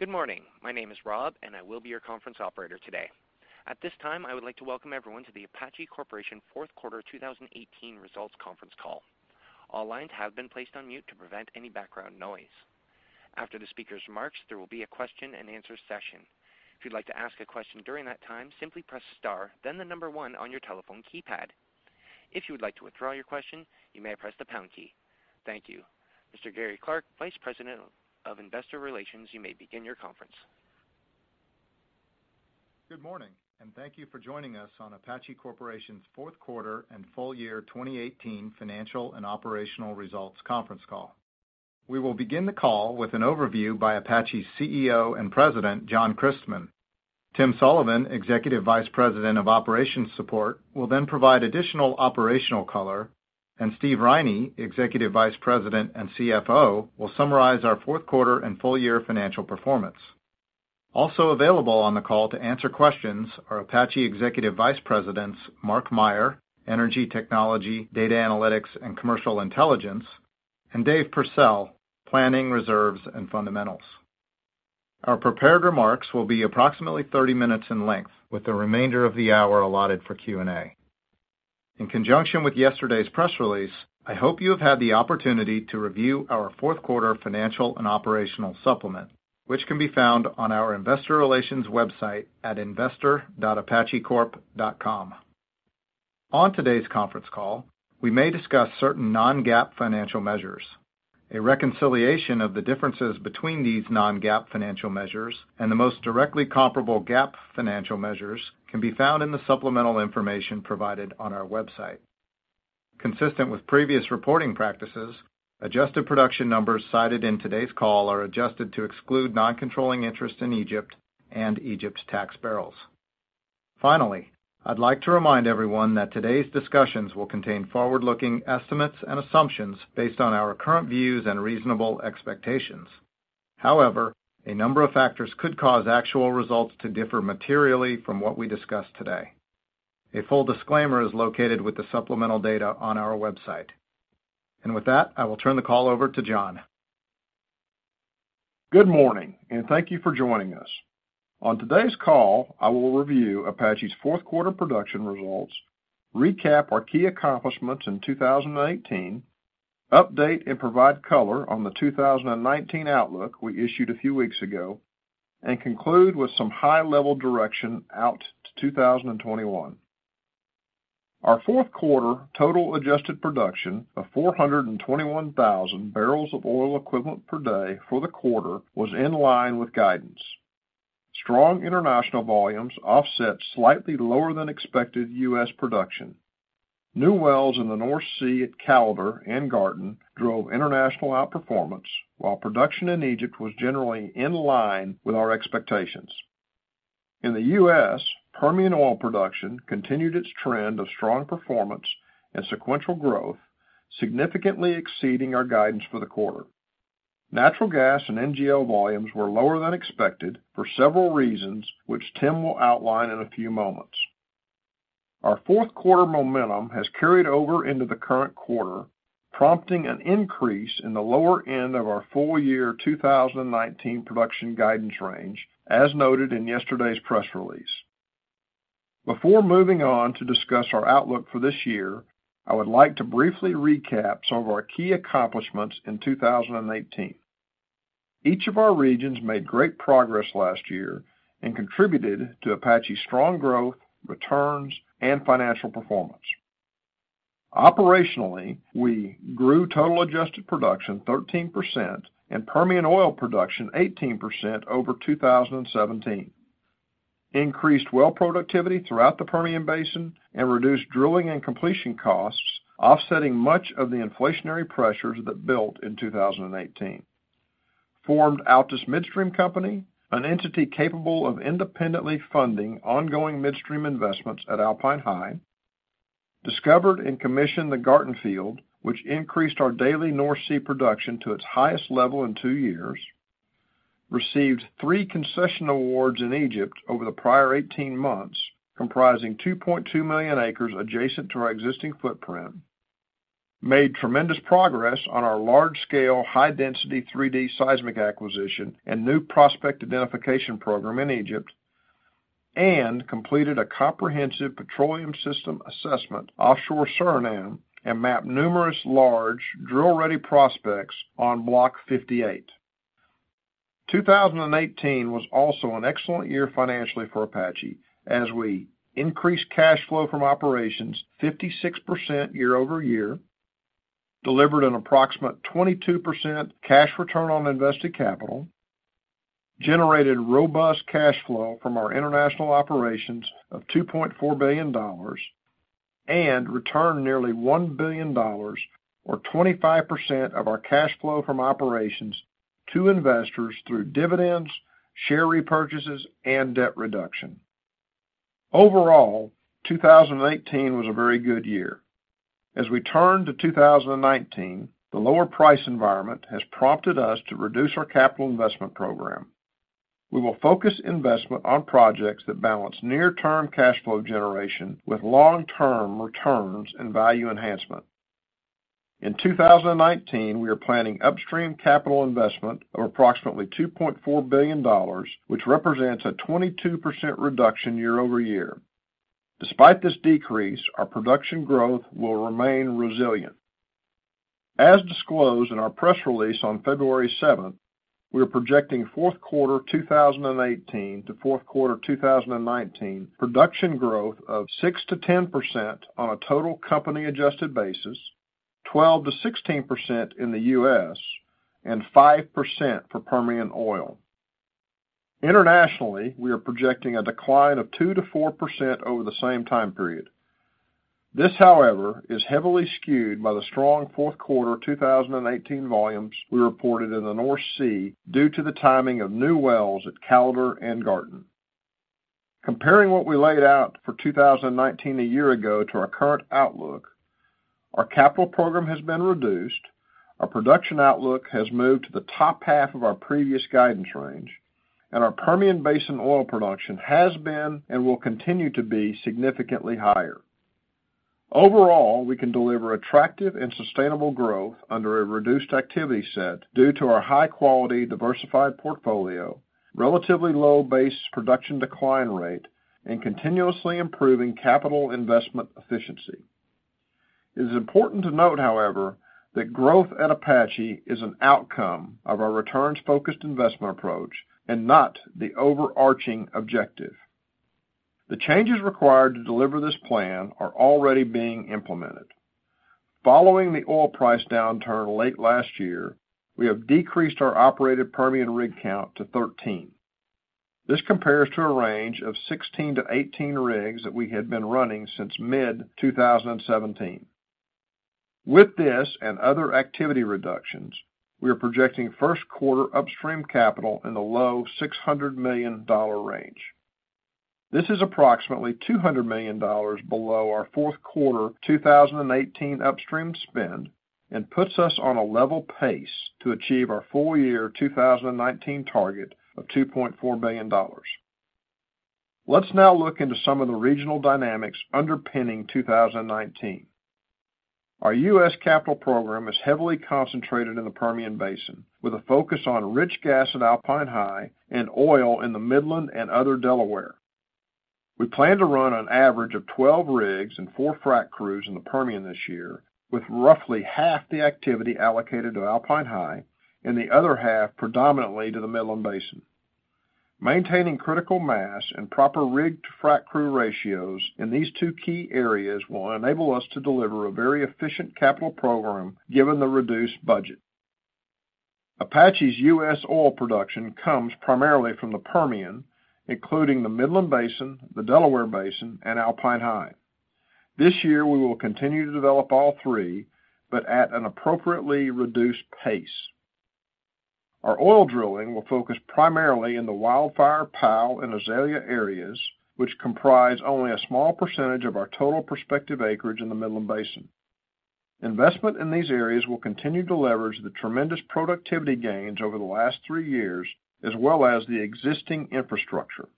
Good morning. My name is Rob, and I will be your conference operator today. At this time, I would like to welcome everyone to the Apache Corporation fourth quarter 2018 results conference call. All lines have been placed on mute to prevent any background noise. After the speakers' remarks, there will be a question and answer session. If you'd like to ask a question during that time, simply press star, then the number one on your telephone keypad. If you would like to withdraw your question, you may press the pound key. Thank you. Mr. Gary Clark, Vice President of Investor Relations, you may begin your conference. Good morning. Thank you for joining us on Apache Corporation's fourth quarter and full year 2018 financial and operational results conference call. We will begin the call with an overview by Apache's CEO and President, John Christmann. Tim Sullivan, Executive Vice President of Operations Support, will then provide additional operational color. Steve Riney, Executive Vice President and CFO, will summarize our fourth quarter and full year financial performance. Also available on the call to answer questions are Apache Executive Vice Presidents Mark Meyer, Energy Technology, Data Analytics, and Commercial Intelligence, and Dave Pursell, Planning, Reserves, and Fundamentals. Our prepared remarks will be approximately 30 minutes in length, with the remainder of the hour allotted for Q&A. In conjunction with yesterday's press release, I hope you have had the opportunity to review our fourth quarter financial and operational supplement, which can be found on our investor relations website at investor.apachecorp.com. On today's conference call, we may discuss certain non-GAAP financial measures. A reconciliation of the differences between these non-GAAP financial measures and the most directly comparable GAAP financial measures can be found in the supplemental information provided on our website. Consistent with previous reporting practices, adjusted production numbers cited in today's call are adjusted to exclude non-controlling interest in Egypt and Egypt's tax barrels. Finally, I'd like to remind everyone that today's discussions will contain forward-looking estimates and assumptions based on our current views and reasonable expectations. However, a number of factors could cause actual results to differ materially from what we discuss today. A full disclaimer is located with the supplemental data on our website. With that, I will turn the call over to John. Good morning, thank you for joining us. On today's call, I will review Apache's fourth quarter production results, recap our key accomplishments in 2018, update and provide color on the 2019 outlook we issued a few weeks ago, and conclude with some high-level direction out to 2021. Our fourth quarter total adjusted production of 421,000 barrels of oil equivalent per day for the quarter was in line with guidance. Strong international volumes offset slightly lower than expected U.S. production. New wells in the North Sea at Callater and Garten drove international outperformance, while production in Egypt was generally in line with our expectations. In the U.S., Permian oil production continued its trend of strong performance and sequential growth, significantly exceeding our guidance for the quarter. Natural gas and NGL volumes were lower than expected for several reasons, which Tim will outline in a few moments. Our fourth quarter momentum has carried over into the current quarter, prompting an increase in the lower end of our full year 2019 production guidance range, as noted in yesterday's press release. Before moving on to discuss our outlook for this year, I would like to briefly recap some of our key accomplishments in 2018. Each of our regions made great progress last year and contributed to Apache's strong growth, returns, and financial performance. Operationally, we grew total adjusted production 13% and Permian oil production 18% over 2017, increased well productivity throughout the Permian Basin, and reduced drilling and completion costs, offsetting much of the inflationary pressures that built in 2018, formed Altus Midstream Company, an entity capable of independently funding ongoing midstream investments at Alpine High, discovered and commissioned the Garten Field, which increased our daily North Sea production to its highest level in two years, received three concession awards in Egypt over the prior 18 months, comprising 2.2 million acres adjacent to our existing footprint, made tremendous progress on our large-scale, high-density 3D seismic acquisition and new prospect identification program in Egypt, and completed a comprehensive petroleum system assessment offshore Suriname, and mapped numerous large drill-ready prospects on Block 58. 2018 was also an excellent year financially for Apache, as we increased cash flow from operations 56% year-over-year, delivered an approximate 22% cash return on invested capital, generated robust cash flow from our international operations of $2.4 billion and returned nearly $1 billion, or 25% of our cash flow from operations to investors through dividends, share repurchases, and debt reduction. Overall, 2018 was a very good year. As we turn to 2019, the lower price environment has prompted us to reduce our capital investment program. We will focus investment on projects that balance near-term cash flow generation with long-term returns and value enhancement. In 2019, we are planning upstream capital investment of approximately $2.4 billion, which represents a 22% reduction year-over-year. Despite this decrease, our production growth will remain resilient. As disclosed in our press release on February 7th, we are projecting fourth quarter 2018 to fourth quarter 2019 production growth of 6%-10% on a total company adjusted basis, 12%-16% in the U.S., and 5% for Permian oil. Internationally, we are projecting a decline of 2%-4% over the same time period. This, however, is heavily skewed by the strong fourth quarter 2018 volumes we reported in the North Sea due to the timing of new wells at Callater and Garten. Comparing what we laid out for 2019 a year ago to our current outlook, our capital program has been reduced, our production outlook has moved to the top half of our previous guidance range, and our Permian Basin oil production has been and will continue to be significantly higher. Overall, we can deliver attractive and sustainable growth under a reduced activity set due to our high-quality, diversified portfolio, relatively low base production decline rate, and continuously improving capital investment efficiency. It is important to note, however, that growth at Apache is an outcome of our returns-focused investment approach and not the overarching objective. The changes required to deliver this plan are already being implemented. Following the oil price downturn late last year, we have decreased our operated Permian rig count to 13. This compares to a range of 16-18 rigs that we had been running since mid-2017. With this and other activity reductions, we are projecting first quarter upstream capital in the low $600 million range. This is approximately $200 million below our fourth quarter 2018 upstream spend and puts us on a level pace to achieve our full year 2019 target of $2.4 billion. Let's now look into some of the regional dynamics underpinning 2019. Our U.S. capital program is heavily concentrated in the Permian Basin, with a focus on rich gas at Alpine High and oil in the Midland and other Delaware. We plan to run an average of 12 rigs and four frack crews in the Permian this year, with roughly half the activity allocated to Alpine High and the other half predominantly to the Midland Basin. Maintaining critical mass and proper rig-to-frack crew ratios in these two key areas will enable us to deliver a very efficient capital program given the reduced budget. Apache's U.S. oil production comes primarily from the Permian, including the Midland Basin, the Delaware Basin, and Alpine High. This year, we will continue to develop all three, but at an appropriately reduced pace. Our oil drilling will focus primarily in the Wildfire, Powell, and Azalea areas, which comprise only a small percentage of our total prospective acreage in the Midland Basin. Investment in these areas will continue to leverage the tremendous productivity gains over the last three years, as well as the existing infrastructure.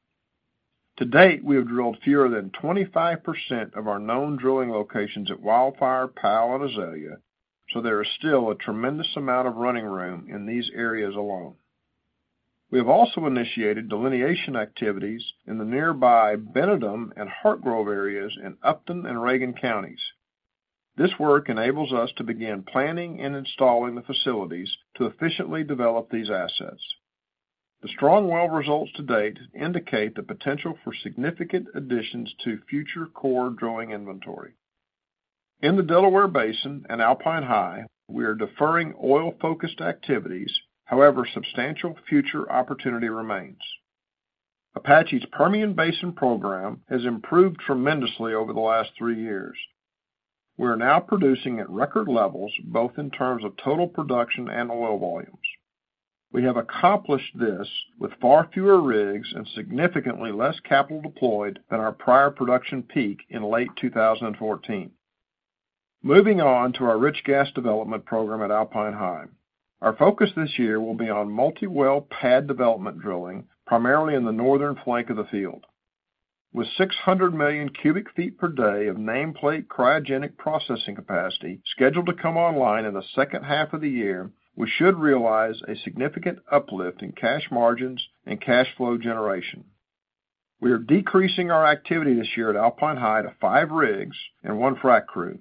To date, we have drilled fewer than 25% of our known drilling locations at Wildfire, Powell, and Azalea, so there is still a tremendous amount of running room in these areas alone. We have also initiated delineation activities in the nearby Benedum and Hartgrove areas in Upton and Reagan Counties. This work enables us to begin planning and installing the facilities to efficiently develop these assets. The strong well results to date indicate the potential for significant additions to future core drilling inventory. In the Delaware Basin and Alpine High, we are deferring oil-focused activities. Substantial future opportunity remains. Apache's Permian Basin program has improved tremendously over the last three years. We are now producing at record levels, both in terms of total production and oil volumes. We have accomplished this with far fewer rigs and significantly less capital deployed than our prior production peak in late 2014. Moving on to our rich gas development program at Alpine High. Our focus this year will be on multi-well pad development drilling, primarily in the northern flank of the field. With 600 million cubic feet per day of nameplate cryogenic processing capacity scheduled to come online in the second half of the year, we should realize a significant uplift in cash margins and cash flow generation. We are decreasing our activity this year at Alpine High to five rigs and one frack crew.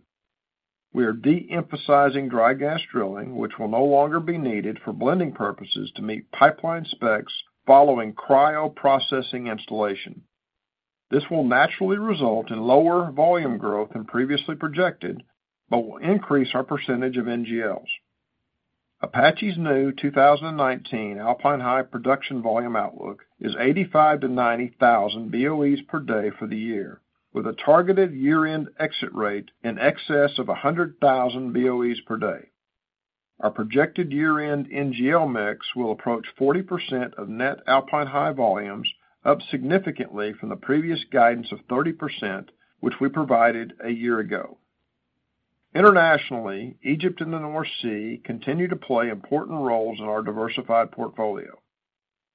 We are de-emphasizing dry gas drilling, which will no longer be needed for blending purposes to meet pipeline specs following cryo processing installation. This will naturally result in lower volume growth than previously projected but will increase our percentage of NGLs. Apache's new 2019 Alpine High production volume outlook is 85,000 to 90,000 BOEs per day for the year, with a targeted year-end exit rate in excess of 100,000 BOEs per day. Our projected year-end NGL mix will approach 40% of net Alpine High volumes, up significantly from the previous guidance of 30%, which we provided a year ago. Internationally, Egypt and the North Sea continue to play important roles in our diversified portfolio.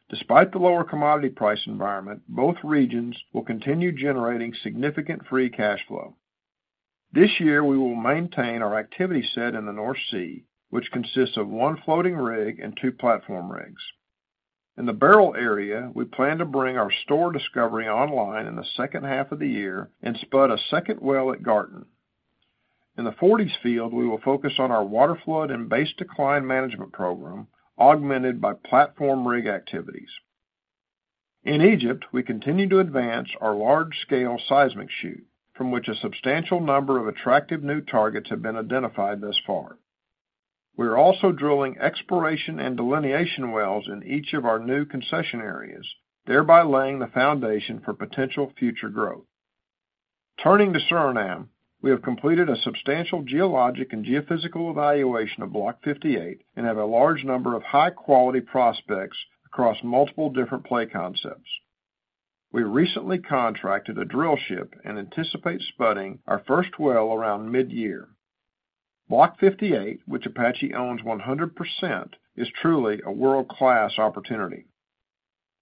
Despite the lower commodity price environment, both regions will continue generating significant free cash flow. This year, we will maintain our activity set in the North Sea, which consists of one floating rig and two platform rigs. In the Beryl area, we plan to bring our Storr discovery online in the second half of the year and spud a second well at Garten. In the Forties field, we will focus on our waterflood and base decline management program, augmented by platform rig activities. In Egypt, we continue to advance our large-scale seismic shoot, from which a substantial number of attractive new targets have been identified thus far. We are also drilling exploration and delineation wells in each of our new concession areas, thereby laying the foundation for potential future growth. Turning to Suriname, we have completed a substantial geologic and geophysical evaluation of Block 58 and have a large number of high-quality prospects across multiple different play concepts. We recently contracted a drillship and anticipate spudding our first well around mid-year. Block 58, which Apache owns 100%, is truly a world-class opportunity.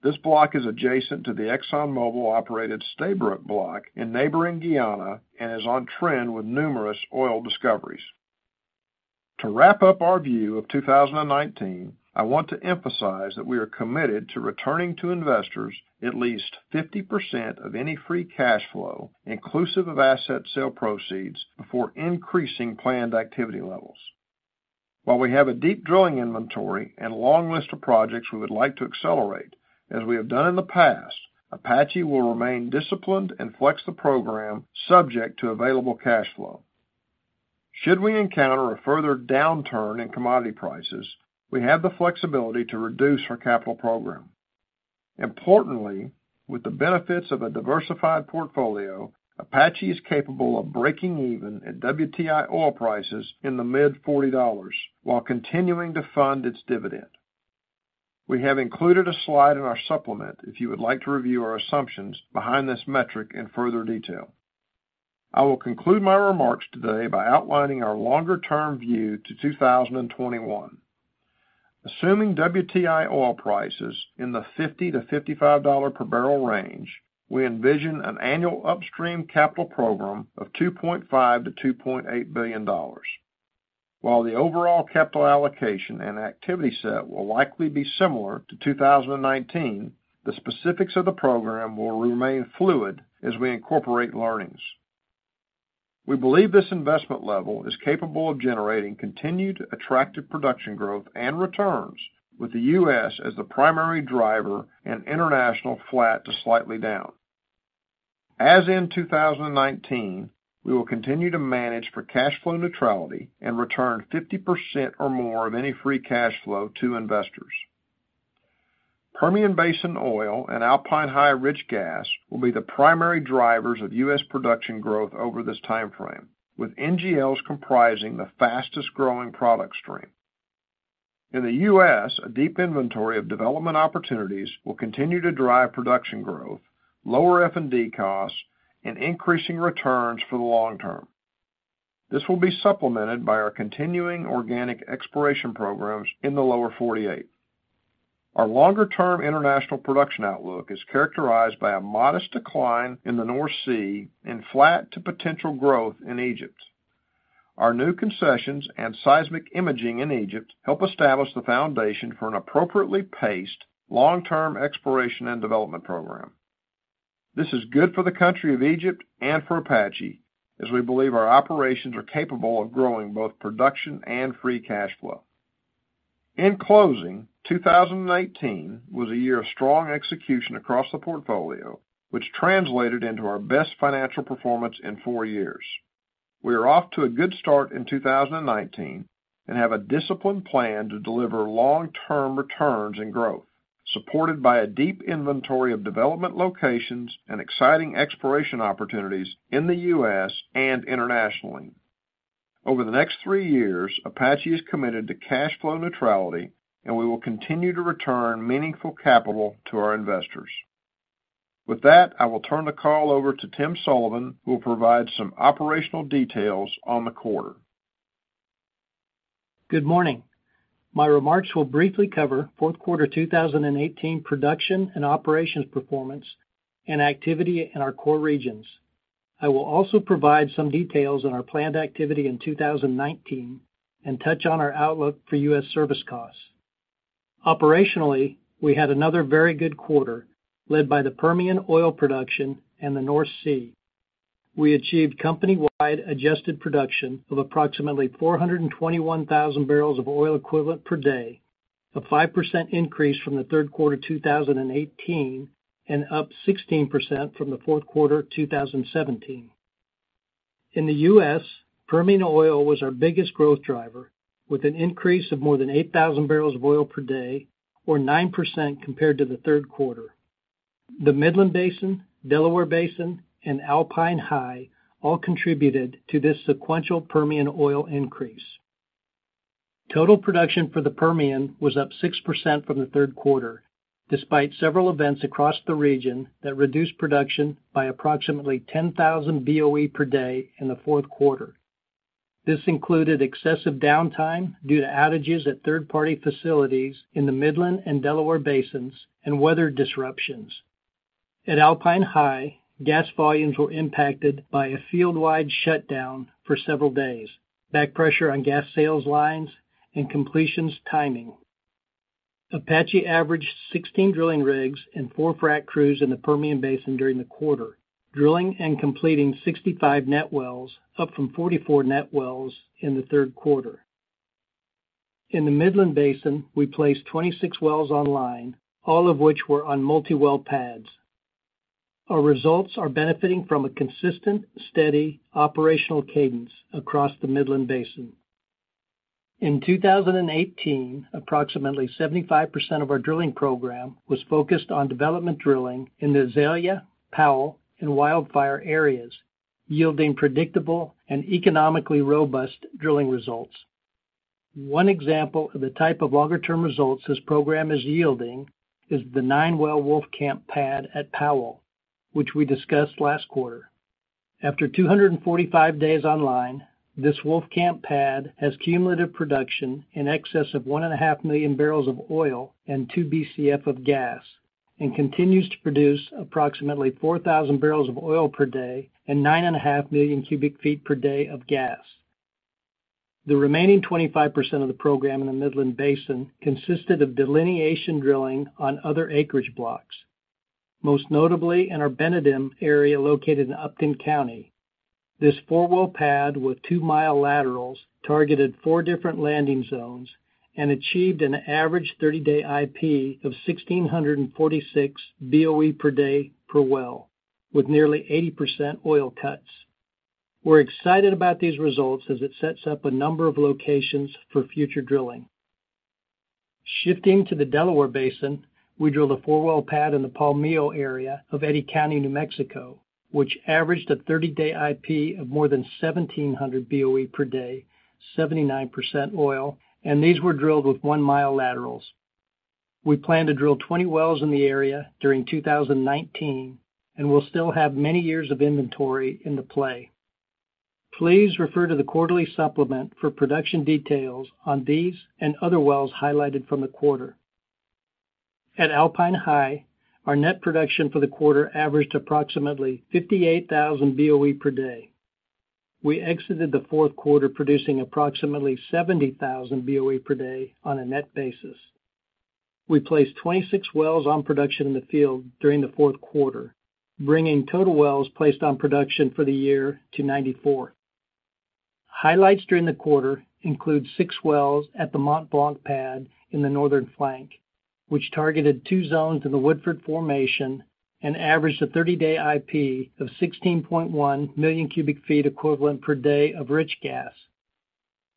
This block is adjacent to the ExxonMobil-operated Stabroek Block in neighboring Guyana and is on trend with numerous oil discoveries. To wrap up our view of 2019, I want to emphasize that we are committed to returning to investors at least 50% of any free cash flow, inclusive of asset sale proceeds, before increasing planned activity levels. While we have a deep drilling inventory and a long list of projects we would like to accelerate, as we have done in the past, Apache will remain disciplined and flex the program subject to available cash flow. Should we encounter a further downturn in commodity prices, we have the flexibility to reduce our capital program. Importantly, with the benefits of a diversified portfolio, Apache is capable of breaking even at WTI oil prices in the mid-$40, while continuing to fund its dividend. We have included a slide in our supplement if you would like to review our assumptions behind this metric in further detail. I will conclude my remarks today by outlining our longer-term view to 2021. Assuming WTI oil prices in the $50-$55 per barrel range, we envision an annual upstream capital program of $2.5 billion-$2.8 billion. While the overall capital allocation and activity set will likely be similar to 2019, the specifics of the program will remain fluid as we incorporate learnings. We believe this investment level is capable of generating continued attractive production growth and returns with the U.S. as the primary driver and international flat to slightly down. As in 2019, we will continue to manage for cash flow neutrality and return 50% or more of any free cash flow to investors. Permian Basin Oil and Alpine High Rich Gas will be the primary drivers of U.S. production growth over this timeframe, with NGLs comprising the fastest-growing product stream. In the U.S., a deep inventory of development opportunities will continue to drive production growth, lower F&D costs, and increasing returns for the long term. This will be supplemented by our continuing organic exploration programs in the Lower 48. Our longer-term international production outlook is characterized by a modest decline in the North Sea and flat to potential growth in Egypt. Our new concessions and seismic imaging in Egypt help establish the foundation for an appropriately paced, long-term exploration and development program. This is good for the country of Egypt and for Apache, as we believe our operations are capable of growing both production and free cash flow. In closing, 2018 was a year of strong execution across the portfolio, which translated into our best financial performance in four years. We are off to a good start in 2019 and have a disciplined plan to deliver long-term returns and growth, supported by a deep inventory of development locations and exciting exploration opportunities in the U.S. and internationally. Over the next three years, Apache is committed to cash flow neutrality, and we will continue to return meaningful capital to our investors. With that, I will turn the call over to Tim Sullivan, who will provide some operational details on the quarter. Good morning. My remarks will briefly cover fourth quarter 2018 production and operations performance and activity in our core regions. I will also provide some details on our planned activity in 2019 and touch on our outlook for U.S. service costs. Operationally, we had another very good quarter, led by the Permian oil production and the North Sea. We achieved company-wide adjusted production of approximately 421,000 barrels of oil equivalent per day, a 5% increase from the third quarter 2018, and up 16% from the fourth quarter 2017. In the U.S., Permian oil was our biggest growth driver, with an increase of more than 8,000 barrels of oil per day, or 9% compared to the third quarter. The Midland Basin, Delaware Basin, and Alpine High all contributed to this sequential Permian oil increase. Total production for the Permian was up 6% from the third quarter, despite several events across the region that reduced production by approximately 10,000 BOE per day in the fourth quarter. This included excessive downtime due to outages at third-party facilities in the Midland and Delaware basins and weather disruptions. At Alpine High, gas volumes were impacted by a field-wide shutdown for several days, back pressure on gas sales lines, and completions timing. Apache averaged 16 drilling rigs and four frac crews in the Permian Basin during the quarter, drilling and completing 65 net wells, up from 44 net wells in the third quarter. In the Midland Basin, we placed 26 wells online, all of which were on multi-well pads. Our results are benefiting from a consistent, steady operational cadence across the Midland Basin. In 2018, approximately 75% of our drilling program was focused on development drilling in the Azalea, Powell, and Wildfire areas, yielding predictable and economically robust drilling results. One example of the type of longer-term results this program is yielding is the nine-well Wolfcamp pad at Powell, which we discussed last quarter. After 245 days online, this Wolfcamp pad has cumulative production in excess of 1.5 million barrels of oil and two Bcf of gas, and continues to produce approximately 4,000 barrels of oil per day and 9.5 million cubic feet per day of gas. The remaining 25% of the program in the Midland Basin consisted of delineation drilling on other acreage blocks, most notably in our Benedum area located in Upton County. This four-well pad with two-mile laterals targeted four different landing zones and achieved an average 30-day IP of 1,646 BOE per day per well, with nearly 80% oil cuts. We're excited about these results as it sets up a number of locations for future drilling. Shifting to the Delaware Basin, we drilled a four-well pad in the Palmito area of Eddy County, New Mexico, which averaged a 30-day IP of more than 1,700 BOE per day, 79% oil, and these were drilled with one-mile laterals. We plan to drill 20 wells in the area during 2019, and we'll still have many years of inventory in the play. Please refer to the quarterly supplement for production details on these and other wells highlighted from the quarter. At Alpine High, our net production for the quarter averaged approximately 58,000 BOE per day. We exited the fourth quarter producing approximately 70,000 BOE per day on a net basis. We placed 26 wells on production in the field during the fourth quarter, bringing total wells placed on production for the year to 94. Highlights during the quarter include six wells at the Mont Blanc pad in the northern flank, which targeted two zones in the Woodford formation and averaged a 30-day IP of 16.1 million cubic feet equivalent per day of rich gas.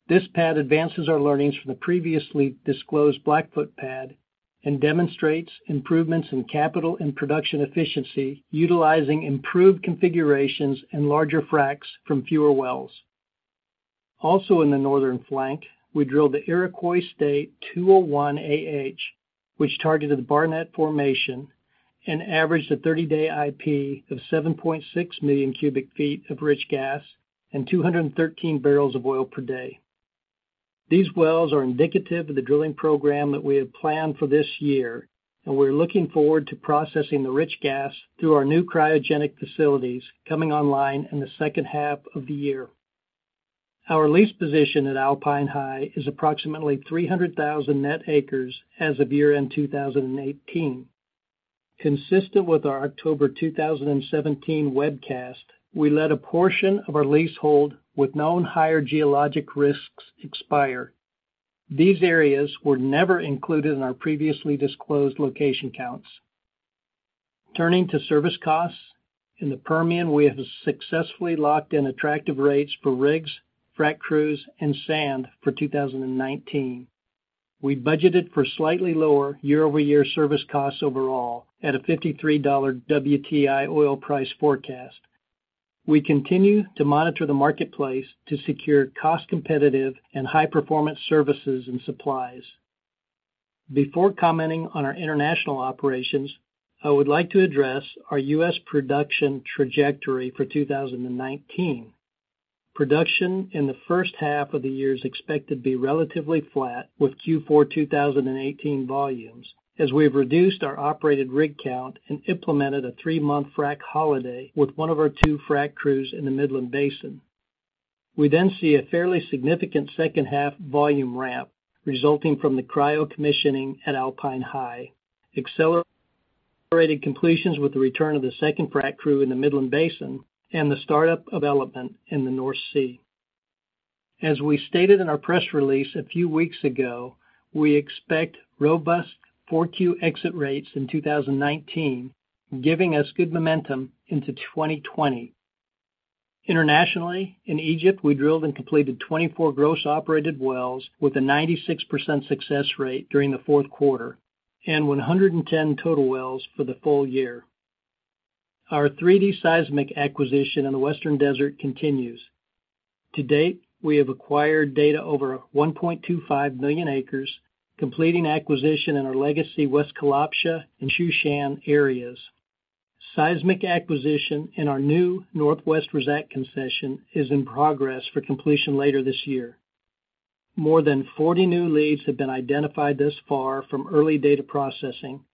This pad advances our learnings from the previously disclosed Blackfoot pad and demonstrates improvements in capital and production efficiency, utilizing improved configurations and larger fracs from fewer wells. Also in the northern flank, we drilled the Iroquois State 201AH, which targeted the Barnett formation and averaged a 30-day IP of 7.6 million cubic feet of rich gas and 213 barrels of oil per day. These wells are indicative of the drilling program that we have planned for this year. We're looking forward to processing the rich gas through our new cryogenic facilities coming online in the second half of the year. Our lease position at Alpine High is approximately 300,000 net acres as of year-end 2018. Consistent with our October 2017 webcast, we let a portion of our leasehold with known higher geologic risks expire. These areas were never included in our previously disclosed location counts. Turning to service costs, in the Permian, we have successfully locked in attractive rates for rigs, frac crews, and sand for 2019. We budgeted for slightly lower year-over-year service costs overall at a $53 WTI oil price forecast. We continue to monitor the marketplace to secure cost-competitive and high-performance services and supplies. Before commenting on our international operations, I would like to address our U.S. production trajectory for 2019. Production in the first half of the year is expected to be relatively flat with Q4 2018 volumes, as we've reduced our operated rig count and implemented a three-month frac holiday with one of our two frac crews in the Midland Basin. We see a fairly significant second half volume ramp resulting from the cryo commissioning at Alpine High, accelerated completions with the return of the second frac crew in the Midland Basin and the startup of Storr in the North Sea. As we stated in our press release a few weeks ago, we expect robust 4Q exit rates in 2019, giving us good momentum into 2020. Internationally, in Egypt, we drilled and completed 24 gross operated wells with a 96% success rate during the fourth quarter and 110 total wells for the full year. Our 3D seismic acquisition in the Western Desert continues. To date, we have acquired data over 1.25 million acres, completing acquisition in our legacy West Kalabsha and Shushan areas. Seismic acquisition in our new Northwest Razzak concession is in progress for completion later this year. More than 40 new leads have been identified thus far from early data processing.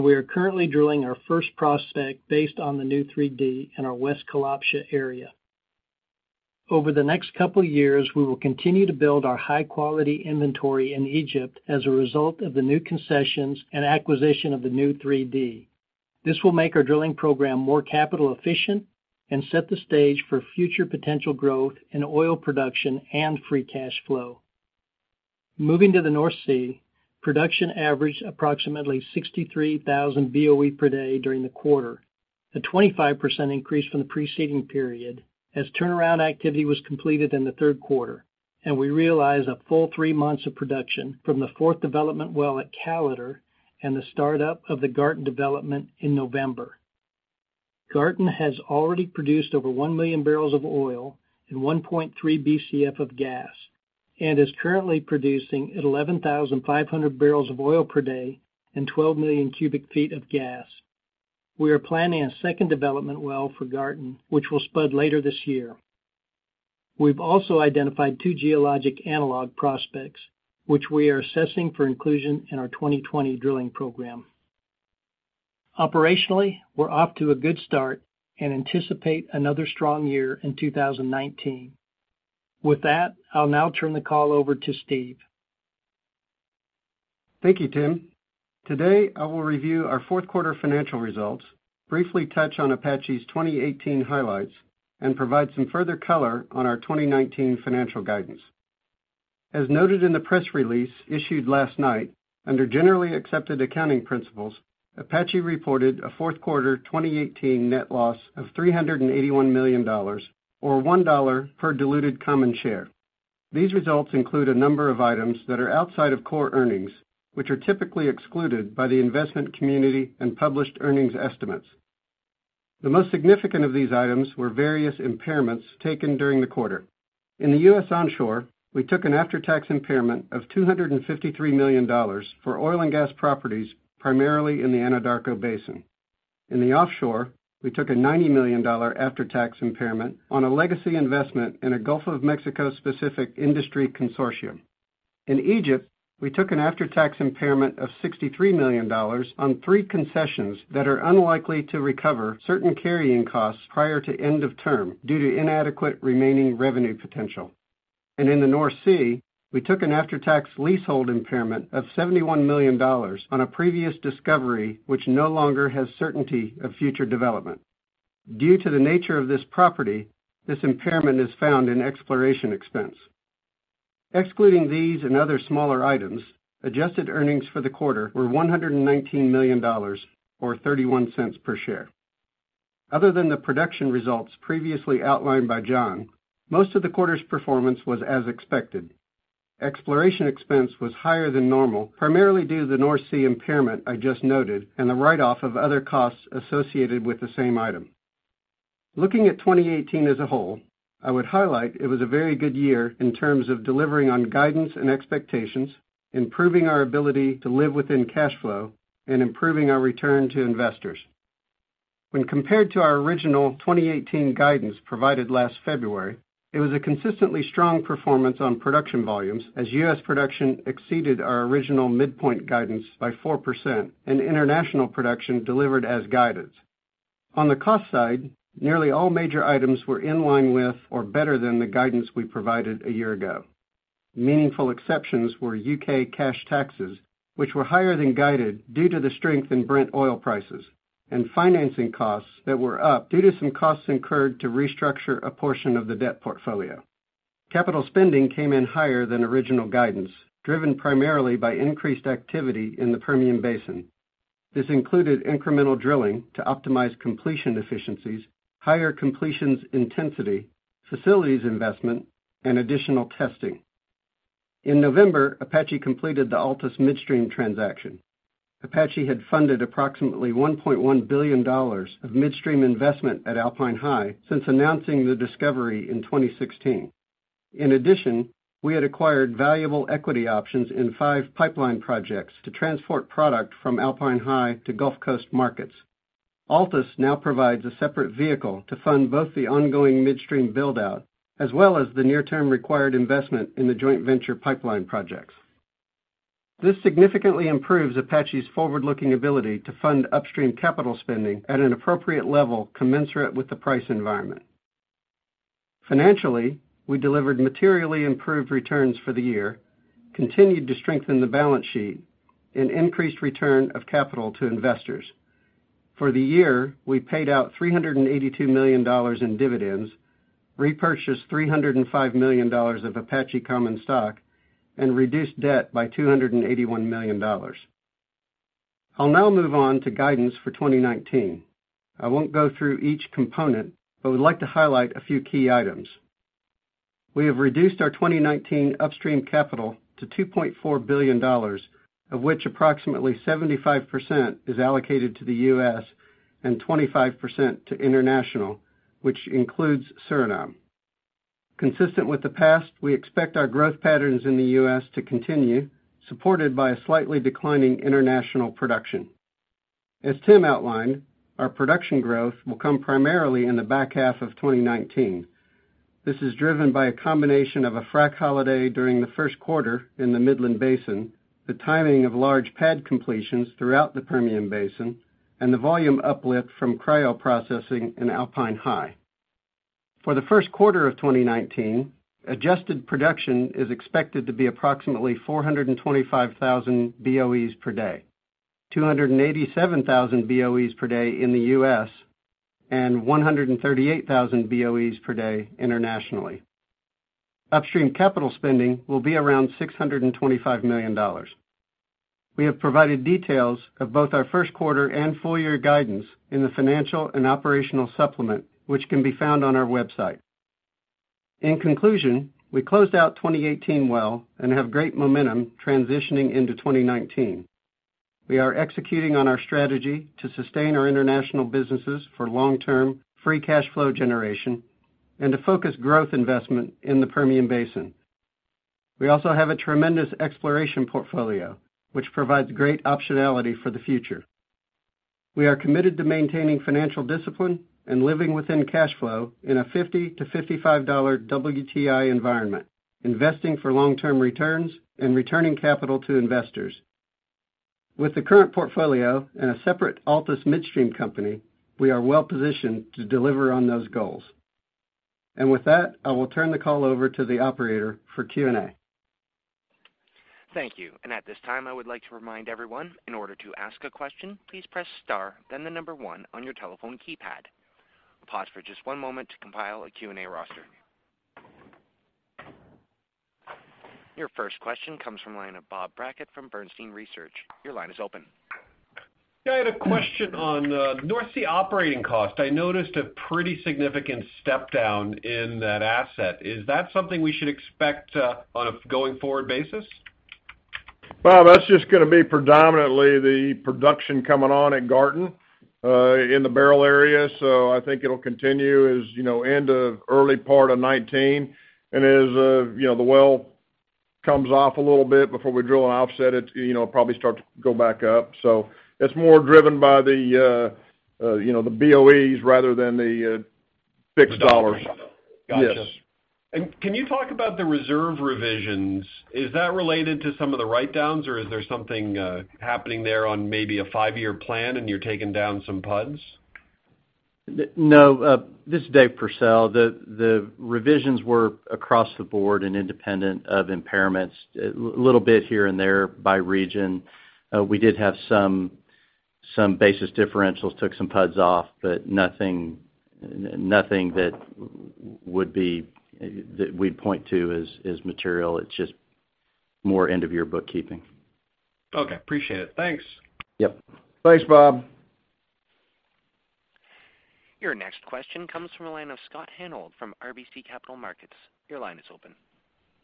We are currently drilling our first prospect based on the new 3D in our West Kalabsha area. Over the next couple of years, we will continue to build our high-quality inventory in Egypt as a result of the new concessions and acquisition of the new 3D. This will make our drilling program more capital efficient and set the stage for future potential growth in oil production and free cash flow. Moving to the North Sea, production averaged approximately 63,000 BOE per day during the quarter, a 25% increase from the preceding period as turnaround activity was completed in the third quarter. We realized a full three months of production from the fourth development well at Callater and the startup of the Garten development in November. Garten has already produced over one million barrels of oil and 1.3 Bcf of gas and is currently producing 11,500 barrels of oil per day and 12 million cubic feet of gas. We are planning a second development well for Garten, which will spud later this year. We've also identified two geologic analog prospects, which we are assessing for inclusion in our 2020 drilling program. Operationally, we're off to a good start and anticipate another strong year in 2019. With that, I'll now turn the call over to Steve. Thank you, Tim. Today, I will review our fourth quarter financial results, briefly touch on Apache's 2018 highlights, and provide some further color on our 2019 financial guidance. As noted in the press release issued last night, under Generally Accepted Accounting Principles, Apache reported a fourth quarter 2018 net loss of $381 million, or $1 per diluted common share. These results include a number of items that are outside of core earnings, which are typically excluded by the investment community and published earnings estimates. The most significant of these items were various impairments taken during the quarter. In the U.S. onshore, we took an after-tax impairment of $253 million for oil and gas properties, primarily in the Anadarko Basin. In the offshore, we took a $90 million after-tax impairment on a legacy investment in a Gulf of Mexico-specific industry consortium. In Egypt, we took an after-tax impairment of $63 million on three concessions that are unlikely to recover certain carrying costs prior to end of term due to inadequate remaining revenue potential. In the North Sea, we took an after-tax leasehold impairment of $71 million on a previous discovery, which no longer has certainty of future development. Due to the nature of this property, this impairment is found in exploration expense. Excluding these and other smaller items, adjusted earnings for the quarter were $119 million, or $0.31 per share. Other than the production results previously outlined by John, most of the quarter's performance was as expected. Exploration expense was higher than normal, primarily due to the North Sea impairment I just noted and the write-off of other costs associated with the same item. Looking at 2018 as a whole, I would highlight it was a very good year in terms of delivering on guidance and expectations, improving our ability to live within cash flow, and improving our return to investors. When compared to our original 2018 guidance provided last February, it was a consistently strong performance on production volumes as U.S. production exceeded our original midpoint guidance by 4%, and international production delivered as guided. On the cost side, nearly all major items were in line with or better than the guidance we provided a year ago. Meaningful exceptions were U.K. cash taxes, which were higher than guided due to the strength in Brent oil prices, and financing costs that were up due to some costs incurred to restructure a portion of the debt portfolio. Capital spending came in higher than original guidance, driven primarily by increased activity in the Permian Basin. This included incremental drilling to optimize completion efficiencies, higher completions intensity, facilities investment, and additional testing. In November, Apache completed the Altus Midstream transaction. Apache had funded approximately $1.1 billion of midstream investment at Alpine High since announcing the discovery in 2016. In addition, we had acquired valuable equity options in five pipeline projects to transport product from Alpine High to Gulf Coast markets. Altus now provides a separate vehicle to fund both the ongoing midstream build-out, as well as the near-term required investment in the joint venture pipeline projects. This significantly improves Apache's forward-looking ability to fund upstream capital spending at an appropriate level commensurate with the price environment. Financially, we delivered materially improved returns for the year, continued to strengthen the balance sheet, and increased return of capital to investors. For the year, we paid out $382 million in dividends, repurchased $305 million of Apache common stock, and reduced debt by $281 million. I'll now move on to guidance for 2019. I won't go through each component, but would like to highlight a few key items. We have reduced our 2019 upstream capital to $2.4 billion, of which approximately 75% is allocated to the U.S. and 25% to international, which includes Suriname. Consistent with the past, we expect our growth patterns in the U.S. to continue, supported by a slightly declining international production. As Tim outlined, our production growth will come primarily in the back half of 2019. This is driven by a combination of a frack holiday during the first quarter in the Midland Basin, the timing of large pad completions throughout the Permian Basin, and the volume uplift from cryo processing in Alpine High. For the first quarter of 2019, adjusted production is expected to be approximately 425,000 BOEs per day, 287,000 BOEs per day in the U.S., and 138,000 BOEs per day internationally. Upstream capital spending will be around $625 million. We have provided details of both our first quarter and full year guidance in the financial and operational supplement, which can be found on our website. In conclusion, we closed out 2018 well and have great momentum transitioning into 2019. We are executing on our strategy to sustain our international businesses for long-term free cash flow generation and to focus growth investment in the Permian Basin. We also have a tremendous exploration portfolio, which provides great optionality for the future. We are committed to maintaining financial discipline and living within cash flow in a $50-$55 WTI environment, investing for long-term returns and returning capital to investors. With the current portfolio and a separate Altus Midstream Company, we are well positioned to deliver on those goals. With that, I will turn the call over to the operator for Q&A. Thank you. At this time, I would like to remind everyone, in order to ask a question, please press star, then the number one on your telephone keypad. I will pause for just one moment to compile a Q&A roster. Your first question comes from the line of Robert Brackett from Bernstein Research. Your line is open. I had a question on North Sea operating cost. I noticed a pretty significant step down in that asset. Is that something we should expect on a going forward basis? Bob, that is just going to be predominantly the production coming on at Garten in the Beryl area. I think it will continue as end of early part of 2019. As the well comes off a little bit before we drill an offset, it will probably start to go back up. It is more driven by the BOEs rather than the fixed USD. The USD. Yes. Gotcha. Can you talk about the reserve revisions? Is that related to some of the write-downs, or is there something happening there on maybe a five-year plan and you're taking down some PUDs? No. This is David Pursell. The revisions were across the board and independent of impairments, a little bit here and there by region. We did have some basis differentials, took some PUDs off, nothing that we'd point to as material. It's just more end-of-year bookkeeping. Okay. Appreciate it. Thanks. Yep. Thanks, Bob. Your next question comes from the line of Scott Hanold from RBC Capital Markets. Your line is open.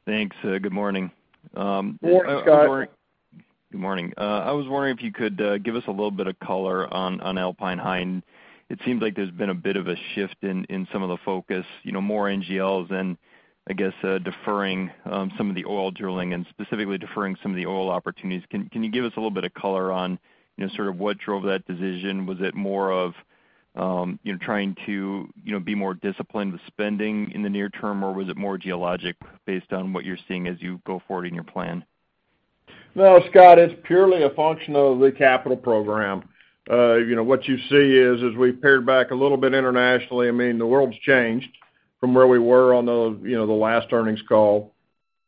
Thanks. Good morning. Morning, Scott. Good morning. I was wondering if you could give us a little bit of color on Alpine High. It seems like there's been a bit of a shift in some of the focus, more NGLs and I guess deferring some of the oil drilling and specifically deferring some of the oil opportunities. Can you give us a little bit of color on what drove that decision? Was it more of trying to be more disciplined with spending in the near term, or was it more geologic based on what you're seeing as you go forward in your plan? No, Scott, it's purely a function of the capital program. What you see is we've pared back a little bit internationally. I mean, the world's changed from where we were on the last earnings call.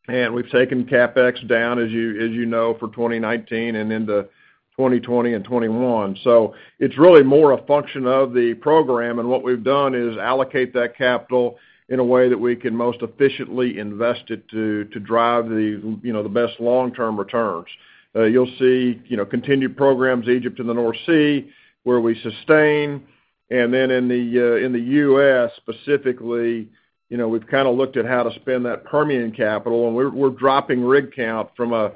We've taken CapEx down, as you know, for 2019 and into 2020 and 2021. It's really more a function of the program, and what we've done is allocate that capital in a way that we can most efficiently invest it to drive the best long-term returns. You'll see continued programs, Egypt and the North Sea, where we sustain. Then in the U.S. specifically, we've kind of looked at how to spend that Permian capital. We're dropping rig count from a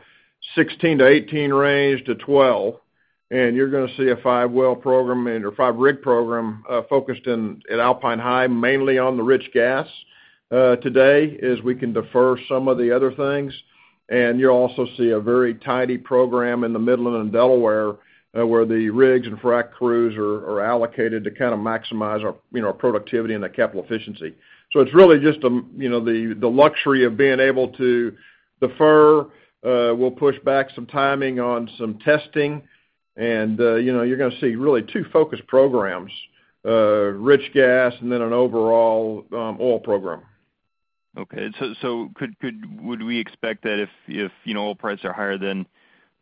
16 to 18 range to 12. You're going to see a 5-well program and/or 5-rig program focused at Alpine High, mainly on the rich gas today as we can defer some of the other things. You'll also see a very tidy program in the Midland and Delaware, where the rigs and frack crews are allocated to kind of maximize our productivity and the capital efficiency. It's really just the luxury of being able to defer. We'll push back some timing on some testing. You're going to see really 2 focused programs, rich gas and then an overall oil program. Okay. Would we expect that if oil prices are higher,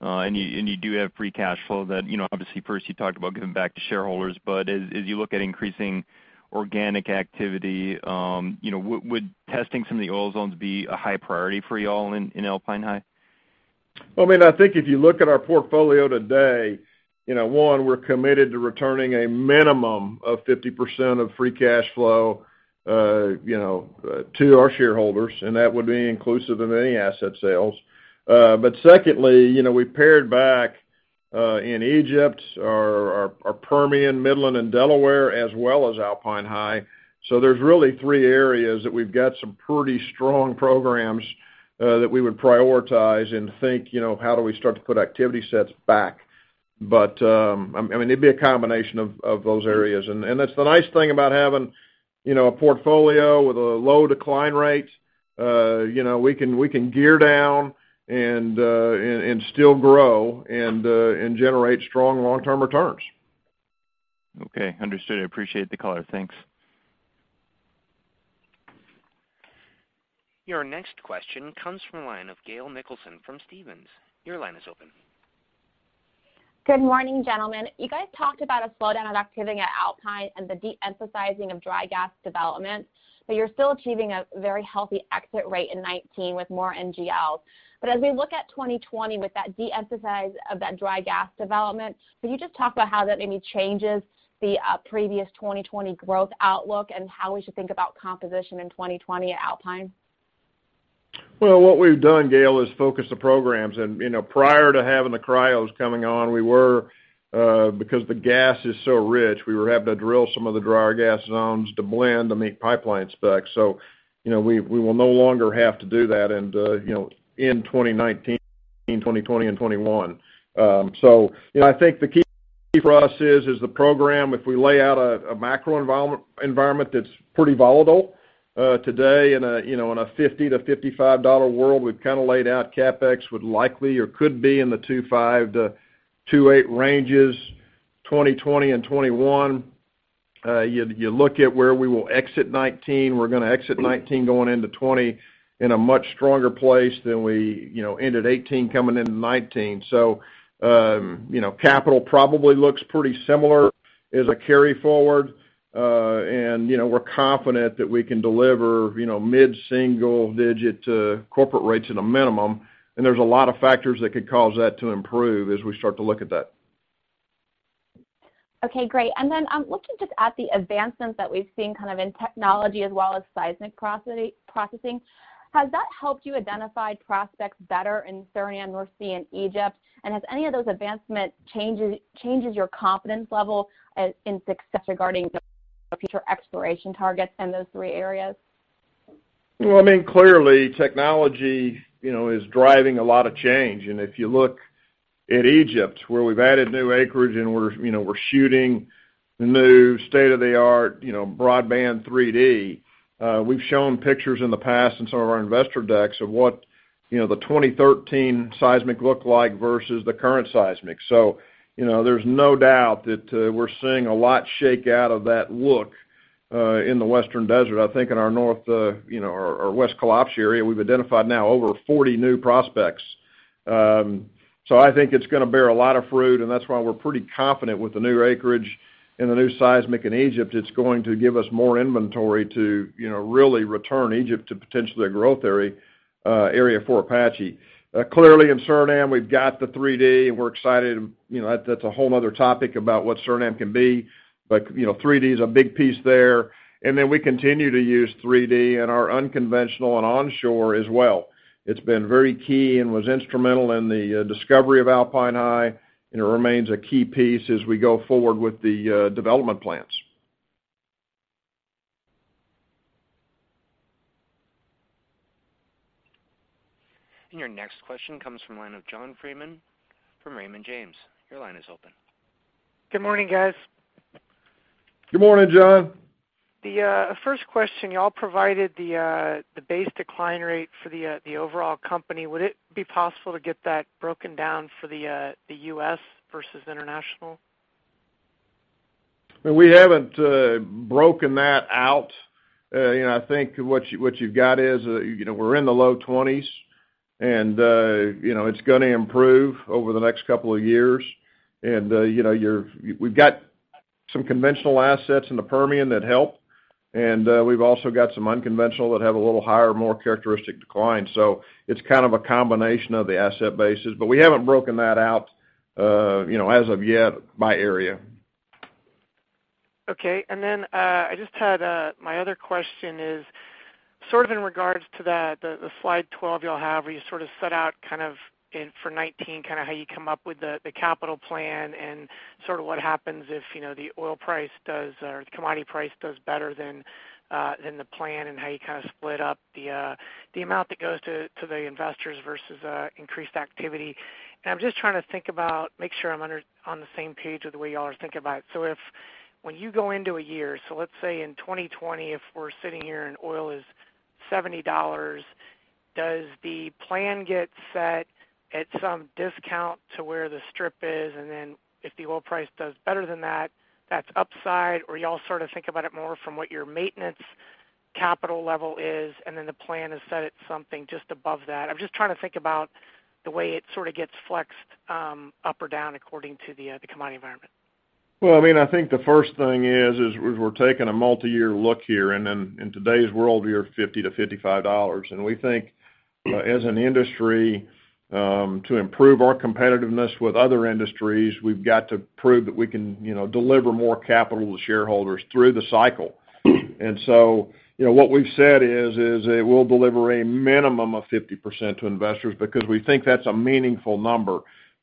and you do have free cash flow, that obviously first you talked about giving back to shareholders? As you look at increasing organic activity, would testing some of the oil zones be a high priority for you all in Alpine High? Well, I think if you look at our portfolio today, one, we're committed to returning a minimum of 50% of free cash flow to our shareholders, and that would be inclusive of any asset sales. Secondly, we paired back in Egypt, our Permian, Midland, and Delaware, as well as Alpine High. There's really 3 areas that we've got some pretty strong programs that we would prioritize and think, how do we start to put activity sets back? It'd be a combination of those areas. That's the nice thing about having a portfolio with a low decline rate. We can gear down and still grow and generate strong long-term returns. Okay. Understood. I appreciate the color. Thanks. Your next question comes from the line of Gail Nicholson from Stephens. Your line is open. Good morning, gentlemen. You guys talked about a slowdown of activity at Alpine and the de-emphasizing of dry gas development, you're still achieving a very healthy exit rate in 2019 with more NGLs. As we look at 2020 with that de-emphasize of that dry gas development, can you just talk about how that maybe changes the previous 2020 growth outlook, and how we should think about composition in 2020 at Alpine? Well, what we've done, Gail, is focus the programs. Prior to having the cryos coming on, because the gas is so rich, we were having to drill some of the drier gas zones to blend to meet pipeline specs. We will no longer have to do that in 2019, 2020, and 2021. I think the key for us is the program. If we lay out a macro environment that's pretty volatile today in a $50-$55 world, we've kind of laid out CapEx would likely or could be in the $2.5-$2.8 ranges. 2020 and 2021, you look at where we will exit 2019. We're going to exit 2019 going into 2020 in a much stronger place than we ended 2018 coming into 2019. Capital probably looks pretty similar as a carry forward. We're confident that we can deliver mid-single-digit to corporate rates at a minimum. There's a lot of factors that could cause that to improve as we start to look at that. Okay, great. Looking just at the advancements that we've seen in technology as well as seismic processing, has that helped you identify prospects better in Suriname, North Sea, and Egypt? Has any of those advancements changes your confidence level in success regarding the future exploration targets in those three areas? Clearly technology is driving a lot of change. If you look at Egypt, where we've added new acreage and we're shooting new state-of-the-art broadband 3D. We've shown pictures in the past in some of our investor decks of what the 2013 seismic looked like versus the current seismic. There's no doubt that we're seeing a lot shake out of that look in the western desert. I think in our West Kalabsha area, we've identified now over 40 new prospects. I think it's going to bear a lot of fruit, and that's why we're pretty confident with the new acreage and the new seismic in Egypt. It's going to give us more inventory to really return Egypt to potentially a growth area for Apache. Clearly in Suriname, we've got the 3D, and we're excited. That's a whole other topic about what Suriname can be. 3D is a big piece there. We continue to use 3D in our unconventional and onshore as well. It's been very key and was instrumental in the discovery of Alpine High. It remains a key piece as we go forward with the development plans. Your next question comes from the line of John Freeman from Raymond James. Your line is open. Good morning, guys. Good morning, John. The first question, you all provided the base decline rate for the overall company. Would it be possible to get that broken down for the U.S. versus international? We haven't broken that out. I think what you've got is we're in the low 20s, and it's going to improve over the next couple of years. We've got some conventional assets in the Permian that help, and we've also got some unconventional that have a little higher, more characteristic decline. It's kind of a combination of the asset bases, but we haven't broken that out as of yet by area. Okay. My other question is in regards to the slide 12 you all have, where you set out for 2019 how you come up with the capital plan and what happens if the oil price does or the commodity price does better than the plan, and how you split up the amount that goes to the investors versus increased activity. I'm just trying to make sure I'm on the same page with the way you all are thinking about it. When you go into a year, let's say in 2020, if we're sitting here and oil is $70, does the plan get set at some discount to where the strip is? If the oil price does better than that's upside, or you all think about it more from what your maintenance capital level is, and then the plan is set at something just above that? I'm just trying to think about the way it gets flexed up or down according to the commodity environment. Well, I think the first thing is we're taking a multi-year look here, and in today's world, we are $50-$55. We think as an industry, to improve our competitiveness with other industries, we've got to prove that we can deliver more capital to shareholders through the cycle. What we've said is that we'll deliver a minimum of 50% to investors because we think that's a meaningful number.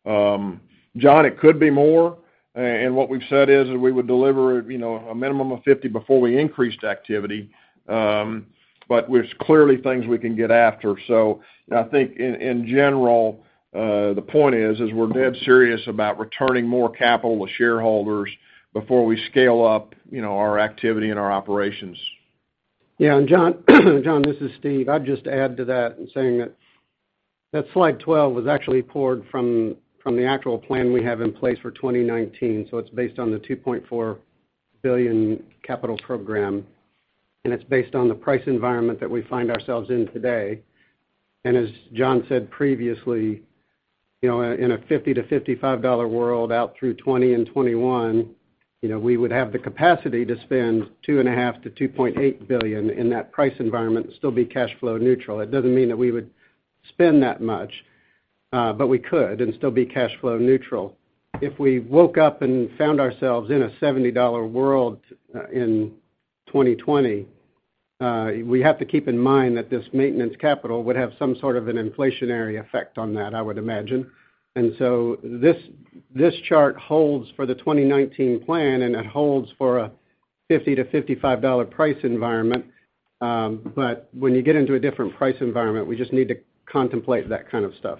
John, it could be more, and what we've said is that we would deliver a minimum of 50 before we increased activity, but there's clearly things we can get after. I think in general, the point is we're dead serious about returning more capital to shareholders before we scale up our activity and our operations. Yeah, John, this is Steve. I'd just add to that in saying that Slide 12 was actually poured from the actual plan we have in place for 2019, so it's based on the $2.4 billion capital program, and it's based on the price environment that we find ourselves in today. As John said previously, in a $50-$55 world out through 2020 and 2021, we would have the capacity to spend $2.5 billion-$2.8 billion in that price environment and still be cash flow neutral. It doesn't mean that we would spend that much, but we could and still be cash flow neutral. If we woke up and found ourselves in a $70 world in 2020, we have to keep in mind that this maintenance capital would have some sort of an inflationary effect on that, I would imagine. This chart holds for the 2019 plan, and it holds for a $50-$55 price environment. When you get into a different price environment, we just need to contemplate that kind of stuff.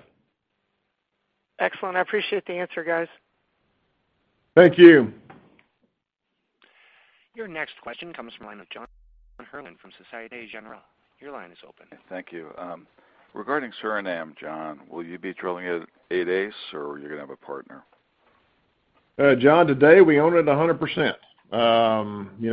Excellent. I appreciate the answer, guys. Thank you. Your next question comes from the line of John Hurlin from Société Générale. Your line is open. Thank you. Regarding Suriname, John, will you be drilling it ad hoc basis or are you going to have a partner? John, today we own it 100%.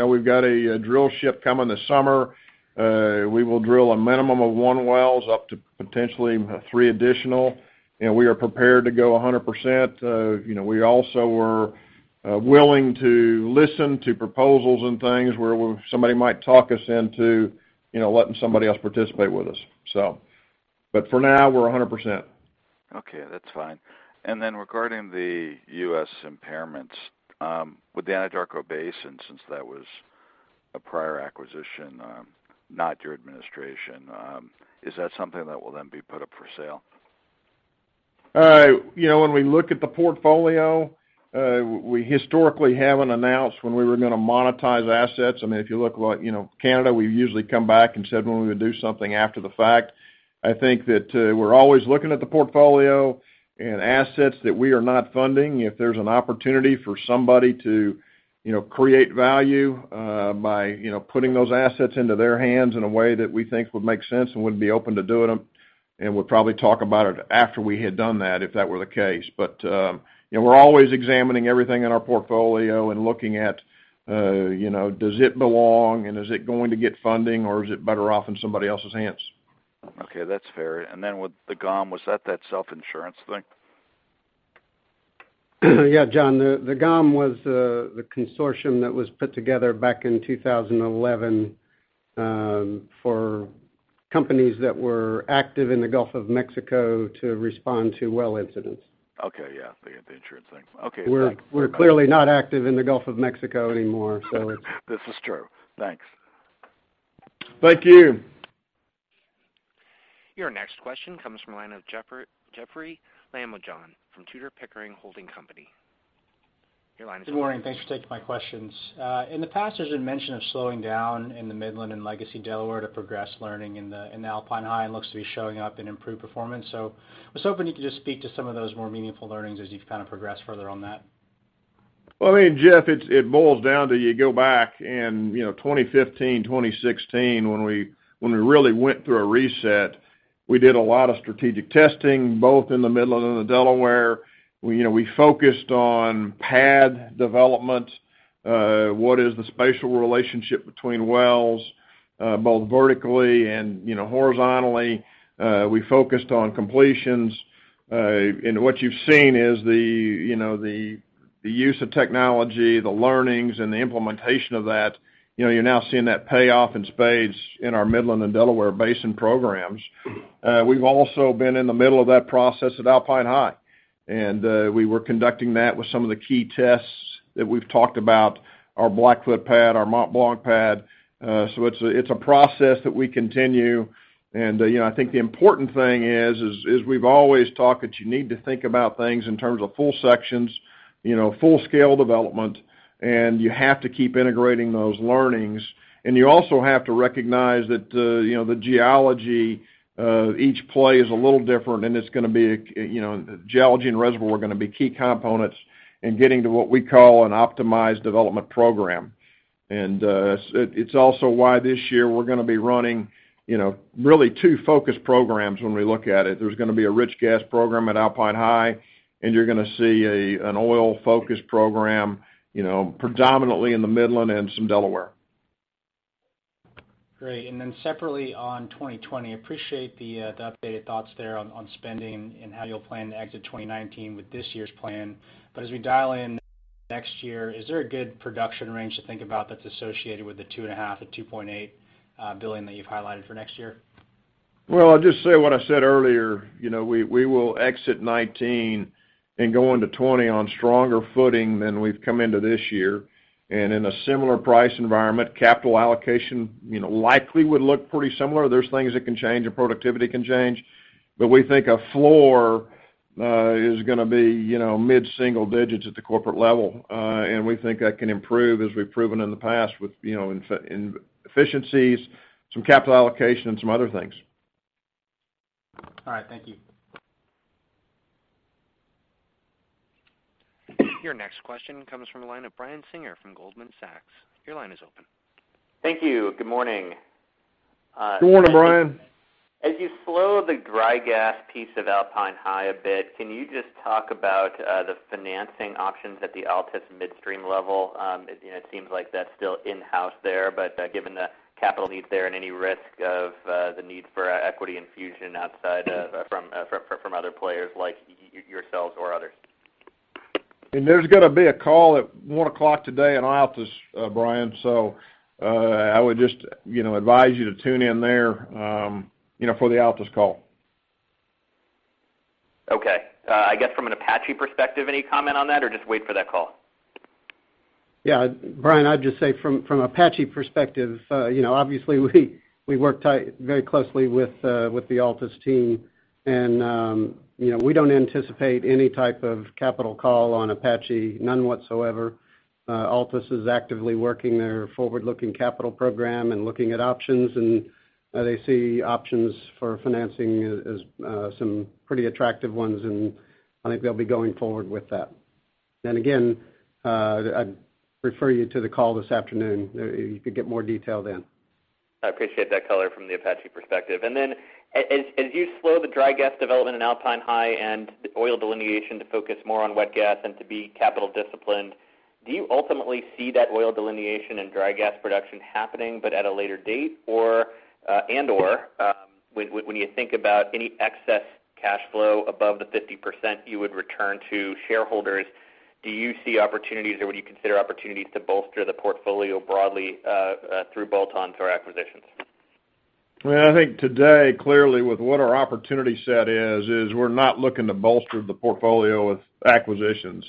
We've got a drillship coming this summer. We will drill a minimum of one well up to potentially three additional. We are prepared to go 100%. We also were willing to listen to proposals and things where somebody might talk us into letting somebody else participate with us. For now, we're 100%. Okay, that's fine. Regarding the U.S. impairments, with the Anadarko Basin, since that was a prior acquisition, not your administration, is that something that will then be put up for sale? When we look at the portfolio, we historically haven't announced when we were going to monetize assets. If you look at Canada, we've usually come back and said when we would do something after the fact. I think that we're always looking at the portfolio and assets that we are not funding. If there's an opportunity for somebody to create value by putting those assets into their hands in a way that we think would make sense and would be open to doing them, and we'll probably talk about it after we had done that, if that were the case. We're always examining everything in our portfolio and looking at does it belong and is it going to get funding, or is it better off in somebody else's hands? Okay, that's fair. With the GOM, was that that self-insurance thing? Yeah, John, the GOM was the consortium that was put together back in 2011 for companies that were active in the Gulf of Mexico to respond to well incidents. Okay, yeah, the insurance thing. Okay. We're clearly not active in the Gulf of Mexico anymore. This is true. Thanks. Thank you. Your next question comes from the line of Jeoffrey Lambujon from Tudor, Pickering, Holt & Co. Your line is open. Good morning. Thanks for taking my questions. In the past, there's been mention of slowing down in the Midland and Legacy Delaware to progress learning in the Alpine High and looks to be showing up in improved performance. I was hoping you could just speak to some of those more meaningful learnings as you've kind of progressed further on that. Well, Jeoffrey, it boils down to you go back in 2015, 2016, when we really went through a reset. We did a lot of strategic testing, both in the Midland and the Delaware. We focused on pad development. What is the spatial relationship between wells, both vertically and horizontally? We focused on completions. What you've seen is the use of technology, the learnings, and the implementation of that. You're now seeing that pay off in spades in our Midland and Delaware Basin programs. We've also been in the middle of that process at Alpine High, and we were conducting that with some of the key tests that we've talked about, our Blackfoot pad, our Mont Blanc pad. It's a process that we continue, and I think the important thing is we've always talked that you need to think about things in terms of full sections, full-scale development, and you have to keep integrating those learnings. You also have to recognize that the geology of each play is a little different, and geology and reservoir are going to be key components in getting to what we call an optimized development program. It's also why this year we're going to be running really two focus programs when we look at it. There's going to be a rich gas program at Alpine High, and you're going to see an oil-focused program predominantly in the Midland and some Delaware. Great. Separately on 2020, appreciate the updated thoughts there on spending and how you'll plan to exit 2019 with this year's plan. As we dial in next year, is there a good production range to think about that's associated with the $2.5 billion-$2.8 billion that you've highlighted for next year? Well, I'll just say what I said earlier. We will exit 2019 and go into 2020 on stronger footing than we've come into this year. In a similar price environment, capital allocation likely would look pretty similar. There's things that can change, and productivity can change, but we think a floor is going to be mid-single digits at the corporate level. We think that can improve as we've proven in the past with efficiencies, some capital allocation, and some other things. All right. Thank you. Your next question comes from the line of Brian Singer from Goldman Sachs. Your line is open. Thank you. Good morning. Good morning, Brian. As you slow the dry gas piece of Alpine High a bit, can you just talk about the financing options at the Altus Midstream level? It seems like that's still in-house there, but given the capital needs there and any risk of the need for equity infusion outside from other players like yourselves or others. There's going to be a call at 1:00 P.M. today on Altus, Brian, so I would just advise you to tune in there for the Altus call. Okay. I guess from an Apache perspective, any comment on that, or just wait for that call? Yeah, Brian, I'd just say from Apache perspective, obviously, we work very closely with the Altus team, and we don't anticipate any type of capital call on Apache, none whatsoever. Altus is actively working their forward-looking capital program and looking at options, and they see options for financing as some pretty attractive ones, and I think they'll be going forward with that. Again, I'd refer you to the call this afternoon. You could get more detail then. I appreciate that color from the Apache perspective. Then as you slow the dry gas development in Alpine High and the oil delineation to focus more on wet gas and to be capital disciplined, do you ultimately see that oil delineation and dry gas production happening, but at a later date, and/or when you think about any excess cash flow above the 50% you would return to shareholders, do you see opportunities or would you consider opportunities to bolster the portfolio broadly through bolt-ons or acquisitions? Well, I think today, clearly with what our opportunity set is we're not looking to bolster the portfolio with acquisitions.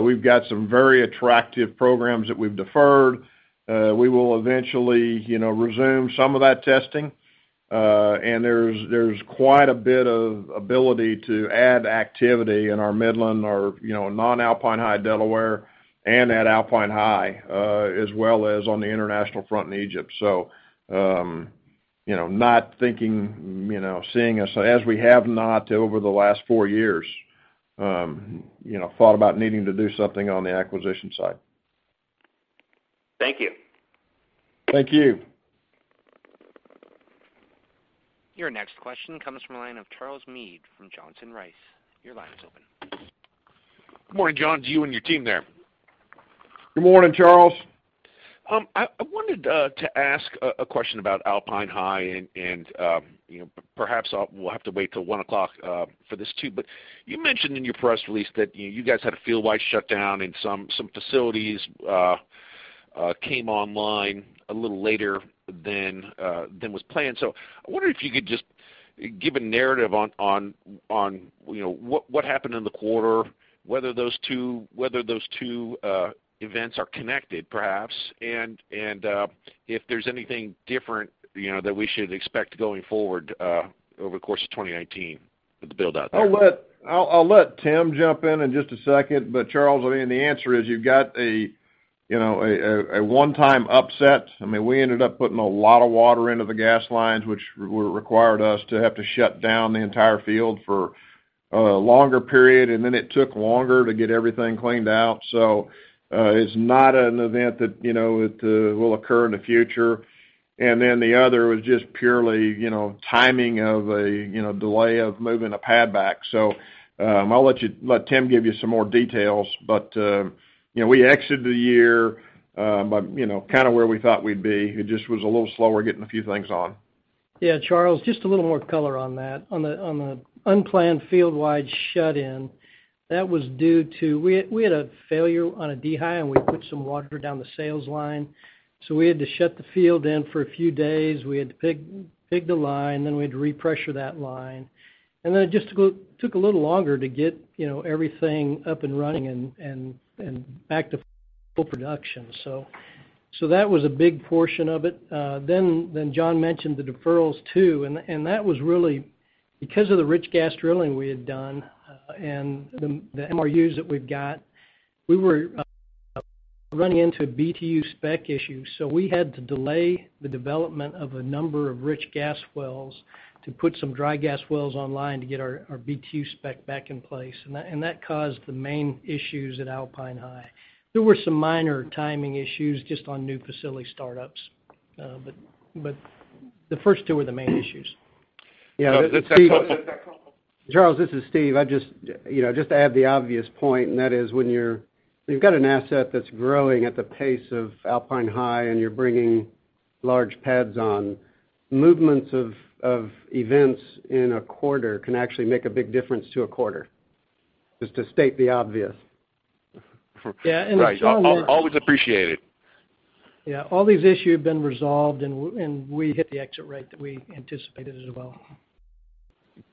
We've got some very attractive programs that we've deferred. We will eventually resume some of that testing. There's quite a bit of ability to add activity in our Midland or non-Alpine High Delaware and at Alpine High, as well as on the international front in Egypt. Not thinking, seeing as we have not over the last four years thought about needing to do something on the acquisition side. Thank you. Thank you. Your next question comes from the line of Charles Meade from Johnson Rice. Your line is open. Good morning, John, to you and your team there. Good morning, Charles. I wanted to ask a question about Alpine High and perhaps we'll have to wait till one o'clock for this too, but you mentioned in your press release that you guys had a fieldwide shutdown and some facilities came online a little later than was planned. I wonder if you could just give a narrative on what happened in the quarter, whether those two events are connected perhaps, and if there's anything different that we should expect going forward over the course of 2019 with the build-out there. I'll let Tim jump in just a second. Charles, I mean, the answer is you've got a one-time upset. We ended up putting a lot of water into the gas lines, which required us to have to shut down the entire field for a longer period, and then it took longer to get everything cleaned out. It's not an event that will occur in the future. The other was just purely timing of a delay of moving a pad back. I'll let Tim give you some more details. We exited the year kind of where we thought we'd be. It just was a little slower getting a few things on. Yeah, Charles, just a little more color on that. On the unplanned fieldwide shut-in, that was due to, we had a failure on a dehy, and we put some water down the sales line. We had to shut the field in for a few days. We had to pig the line, then we had to re-pressure that line. It just took a little longer to get everything up and running and back to full production. That was a big portion of it. John mentioned the deferrals too, and that was really because of the rich gas drilling we had done and the MRUs that we've got, we were running into a BTU spec issue, we had to delay the development of a number of rich gas wells to put some dry gas wells online to get our BTU spec back in place. That caused the main issues at Alpine High. There were some minor timing issues just on new facility startups. The first two were the main issues. Yeah. Charles, this is Steve. Just to add the obvious point, that is when you've got an asset that's growing at the pace of Alpine High, and you're bringing large pads on, movements of events in a quarter can actually make a big difference to a quarter. Just to state the obvious. Yeah. Right. Always appreciate it. Yeah. All these issues have been resolved, we hit the exit rate that we anticipated as well.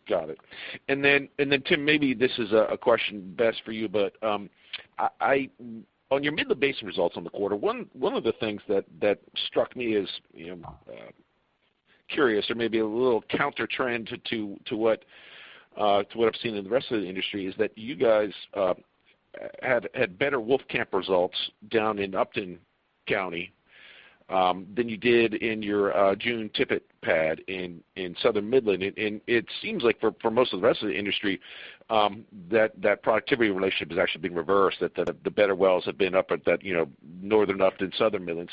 Got it. Tim, maybe this is a question best for you, but on your Midland Basin results on the quarter, one of the things that struck me as curious or maybe a little countertrend to what I've seen in the rest of the industry, is that you guys had better Wolfcamp results down in Upton County than you did in your June Tippett pad in Southern Midland. It seems like for most of the rest of the industry, that productivity relationship has actually been reversed, that the better wells have been up at that Northern Upton, Southern Midland.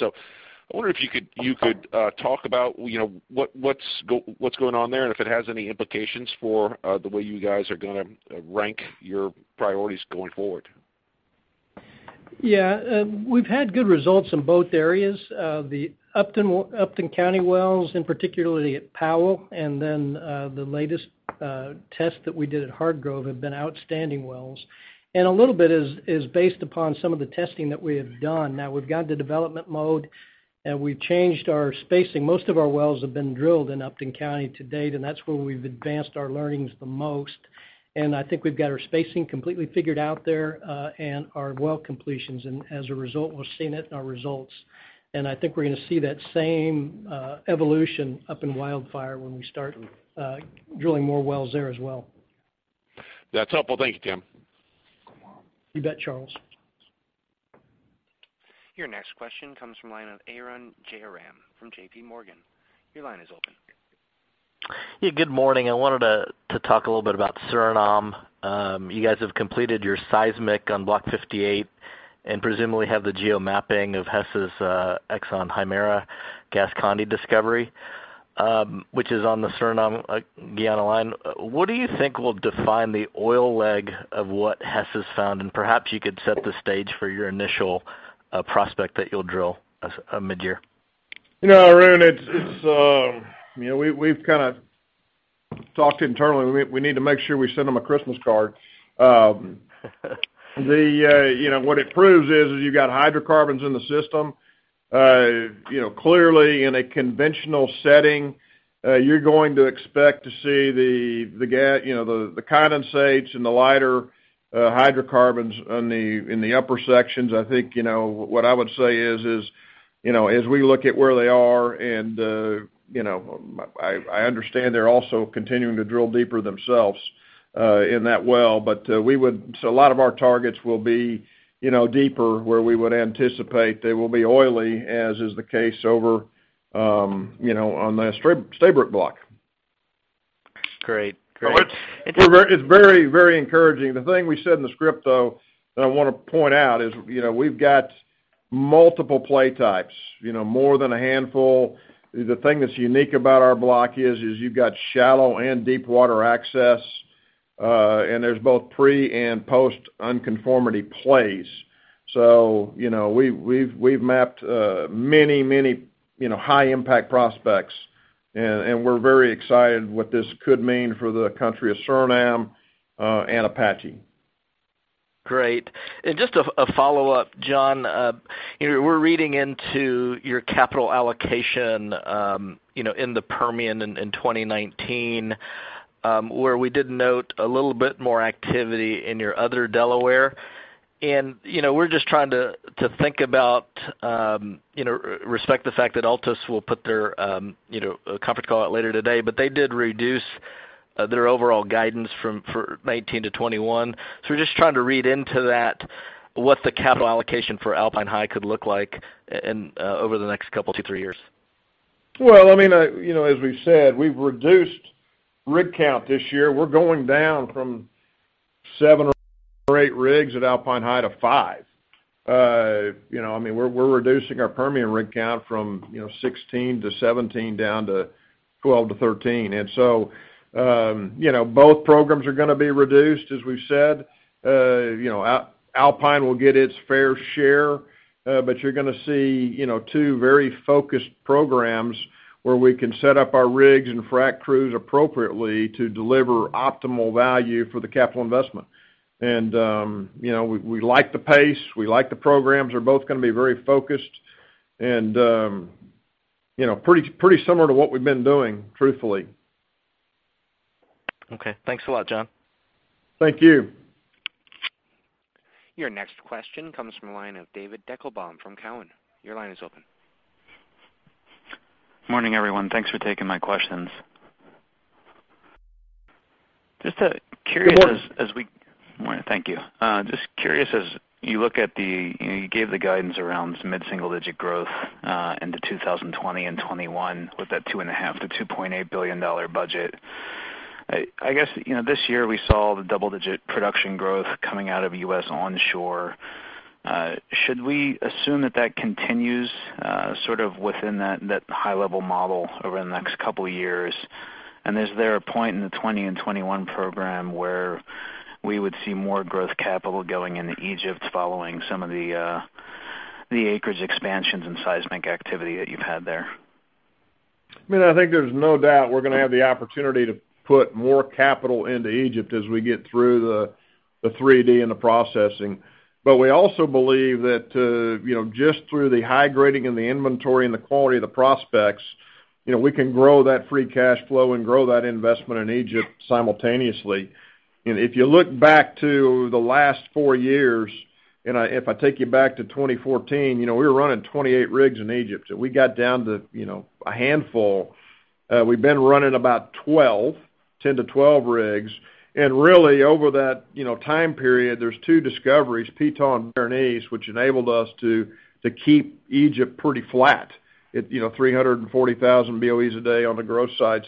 I wonder if you could talk about what's going on there, and if it has any implications for the way you guys are going to rank your priorities going forward. Yeah. We've had good results in both areas. The Upton County wells, particularly at Powell, and the latest test that we did at Hartgrove have been outstanding wells. A little bit is based upon some of the testing that we have done. We've got into development mode, and we've changed our spacing. Most of our wells have been drilled in Upton County to date, and that's where we've advanced our learnings the most. I think we've got our spacing completely figured out there, and our well completions. As a result, we're seeing it in our results. I think we're going to see that same evolution up in Wildfire when we start drilling more wells there as well. That's helpful. Thank you, Tim. You bet, Charles. Your next question comes from the line of Arun Jayaram from JPMorgan. Your line is open. Yeah, good morning. I wanted to talk a little bit about Suriname. You guys have completed your seismic on Block 58, and presumably have the geo-mapping of Hess's ExxonMobil Hammerhead gas-condensate discovery, which is on the Suriname Guyana line. What do you think will define the oil leg of what Hess has found? Perhaps you could set the stage for your initial prospect that you'll drill mid-year. Arun, we've talked internally. We need to make sure we send them a Christmas card. What it proves is you've got hydrocarbons in the system. Clearly in a conventional setting, you're going to expect to see the condensates and the lighter hydrocarbons in the upper sections. I think, what I would say is, as we look at where they are, and I understand they're also continuing to drill deeper themselves, in that well. A lot of our targets will be deeper where we would anticipate they will be oily, as is the case over on the Stabroek Block. Great. It's very encouraging. The thing we said in the script, though, that I want to point out is, we've got multiple play types. More than a handful. The thing that's unique about our block is you've got shallow and deep water access, and there's both pre- and post-unconformity plays. We've mapped many high impact prospects, and we're very excited what this could mean for the country of Suriname and Apache. Just a follow-up, John. We're reading into your capital allocation in the Permian in 2019, where we did note a little bit more activity in your other Delaware. We're just trying to think about, respect the fact that Altus will put their conference call out later today, but they did reduce their overall guidance from 2019 to 2021. We're just trying to read into that, what the capital allocation for Alpine High could look like over the next couple, two, three years. Well, as we've said, we've reduced rig count this year. We're going down from seven or eight rigs at Alpine High to five. We're reducing our Permian rig count from 16 to 17 down to 12 to 13. Both programs are going to be reduced, as we've said. Alpine will get its fair share. You're going to see two very focused programs where we can set up our rigs and frack crews appropriately to deliver optimal value for the capital investment. We like the pace, we like the programs. They're both going to be very focused and pretty similar to what we've been doing, truthfully. Okay. Thanks a lot, John. Thank you. Your next question comes from the line of David Deckelbaum from Cowen. Your line is open. Morning, everyone. Thanks for taking my questions. Just curious. Good morning. Morning, thank you. Just curious, you gave the guidance around mid-single digit growth into 2020 and 2021 with that $2.5 billion to $2.8 billion budget. I guess, this year we saw the double-digit production growth coming out of U.S. onshore. Should we assume that that continues sort of within that high-level model over the next couple of years? Is there a point in the 2020 and 2021 program where we would see more growth capital going into Egypt following some of the acreage expansions and seismic activity that you've had there? I think there's no doubt we're going to have the opportunity to put more capital into Egypt as we get through the 3D and the processing. We also believe that, just through the high grading, and the inventory, and the quality of the prospects, we can grow that free cash flow and grow that investment in Egypt simultaneously. If you look back to the last four years, and if I take you back to 2014, we were running 28 rigs in Egypt, and we got down to a handful. We've been running about 12, 10 to 12 rigs. Really, over that time period, there's two discoveries, Ptah and Berenice, which enabled us to keep Egypt pretty flat at 340,000 BOEs a day on the growth side.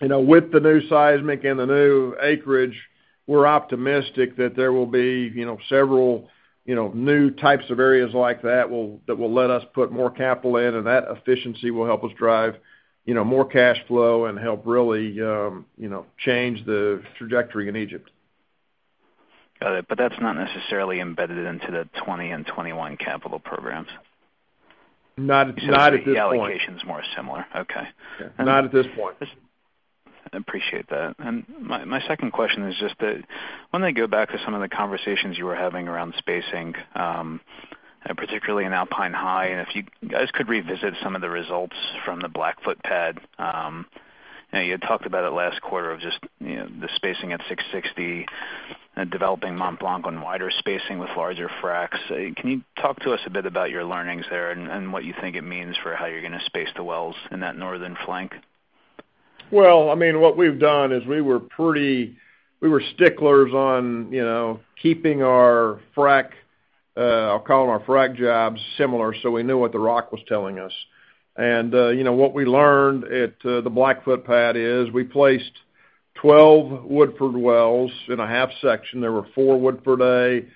With the new seismic and the new acreage, we're optimistic that there will be several new types of areas like that will let us put more capital in, and that efficiency will help us drive more cash flow and help really change the trajectory in Egypt. Got it. That's not necessarily embedded into the 2020 and 2021 capital programs? Not at this point. The allocation is more similar. Okay. Not at this point. Appreciate that. My second question is just that, I want to go back to some of the conversations you were having around spacing, particularly in Alpine High, and if you guys could revisit some of the results from the Blackfoot pad. You had talked about it last quarter of just the spacing at 660 and developing Mont Blanc on wider spacing with larger fracs. Can you talk to us a bit about your learnings there and what you think it means for how you're going to space the wells in that northern flank? Well, what we've done is we were sticklers on keeping our frac jobs similar, so we knew what the rock was telling us. What we learned at the Blackfoot Pad is we placed 12 Woodford wells in a half section. There were 4 Woodford A,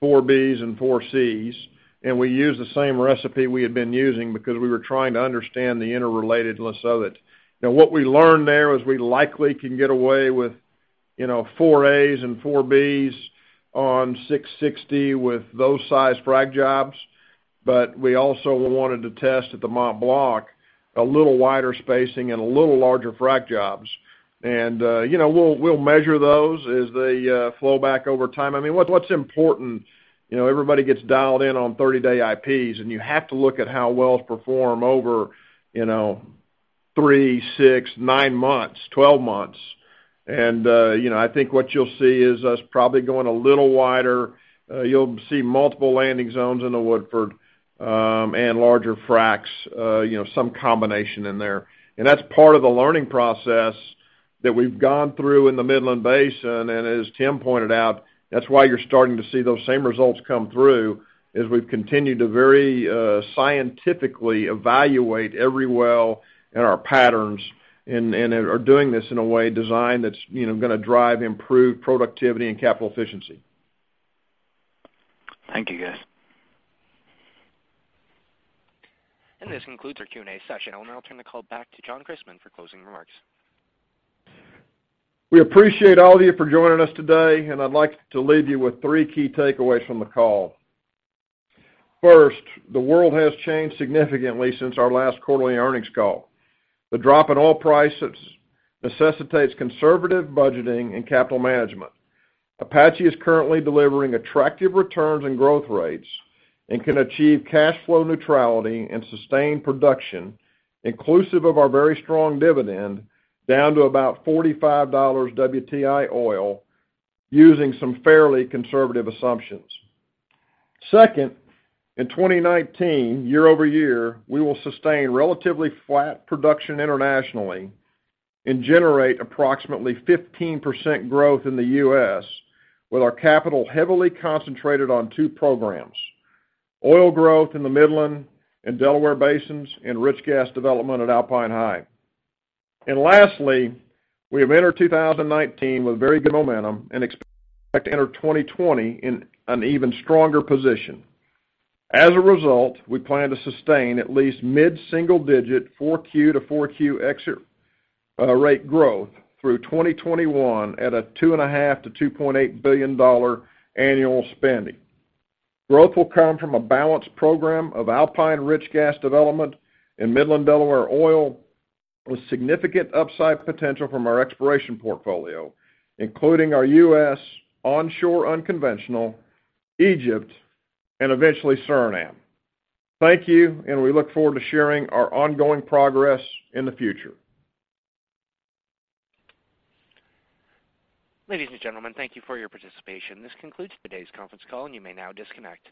4 Bs, and 4 Cs, and we used the same recipe we had been using because we were trying to understand the interrelatedness of it. What we learned there was we likely can get away with 4 As and 4 Bs on 660 with those size frac jobs. We also wanted to test at the Mont Blanc, a little wider spacing and a little larger frac jobs. We'll measure those as they flow back over time. What's important, everybody gets dialed in on 30-day IPs, and you have to look at how wells perform over three, six, nine months, 12 months. I think what you'll see is us probably going a little wider. You'll see multiple landing zones in the Woodford, and larger fracs, some combination in there. That's part of the learning process that we've gone through in the Midland Basin. As Tim pointed out, that's why you're starting to see those same results come through as we've continued to very scientifically evaluate every well in our patterns and are doing this in a way designed that's going to drive improved productivity and capital efficiency. Thank you, guys. This concludes our Q&A session. I will now turn the call back to John Christmann for closing remarks. We appreciate all of you for joining us today, I'd like to leave you with three key takeaways from the call. First, the world has changed significantly since our last quarterly earnings call. The drop in oil prices necessitates conservative budgeting and capital management. Apache is currently delivering attractive returns and growth rates and can achieve cash flow neutrality and sustain production inclusive of our very strong dividend down to about $45 WTI oil using some fairly conservative assumptions. Second, in 2019, year-over-year, we will sustain relatively flat production internationally and generate approximately 15% growth in the U.S. with our capital heavily concentrated on two programs, oil growth in the Midland and Delaware Basins and rich gas development at Alpine High. Lastly, we have entered 2019 with very good momentum and expect to enter 2020 in an even stronger position. As a result, we plan to sustain at least mid-single digit 4Q to 4Q ex-rate growth through 2021 at a $2.5 billion-$2.8 billion annual spending. Growth will come from a balanced program of Alpine Rich gas development and Midland-Delaware oil with significant upside potential from our exploration portfolio, including our U.S. onshore unconventional, Egypt, and eventually Suriname. Thank you. We look forward to sharing our ongoing progress in the future. Ladies and gentlemen, thank you for your participation. This concludes today's conference call. You may now disconnect.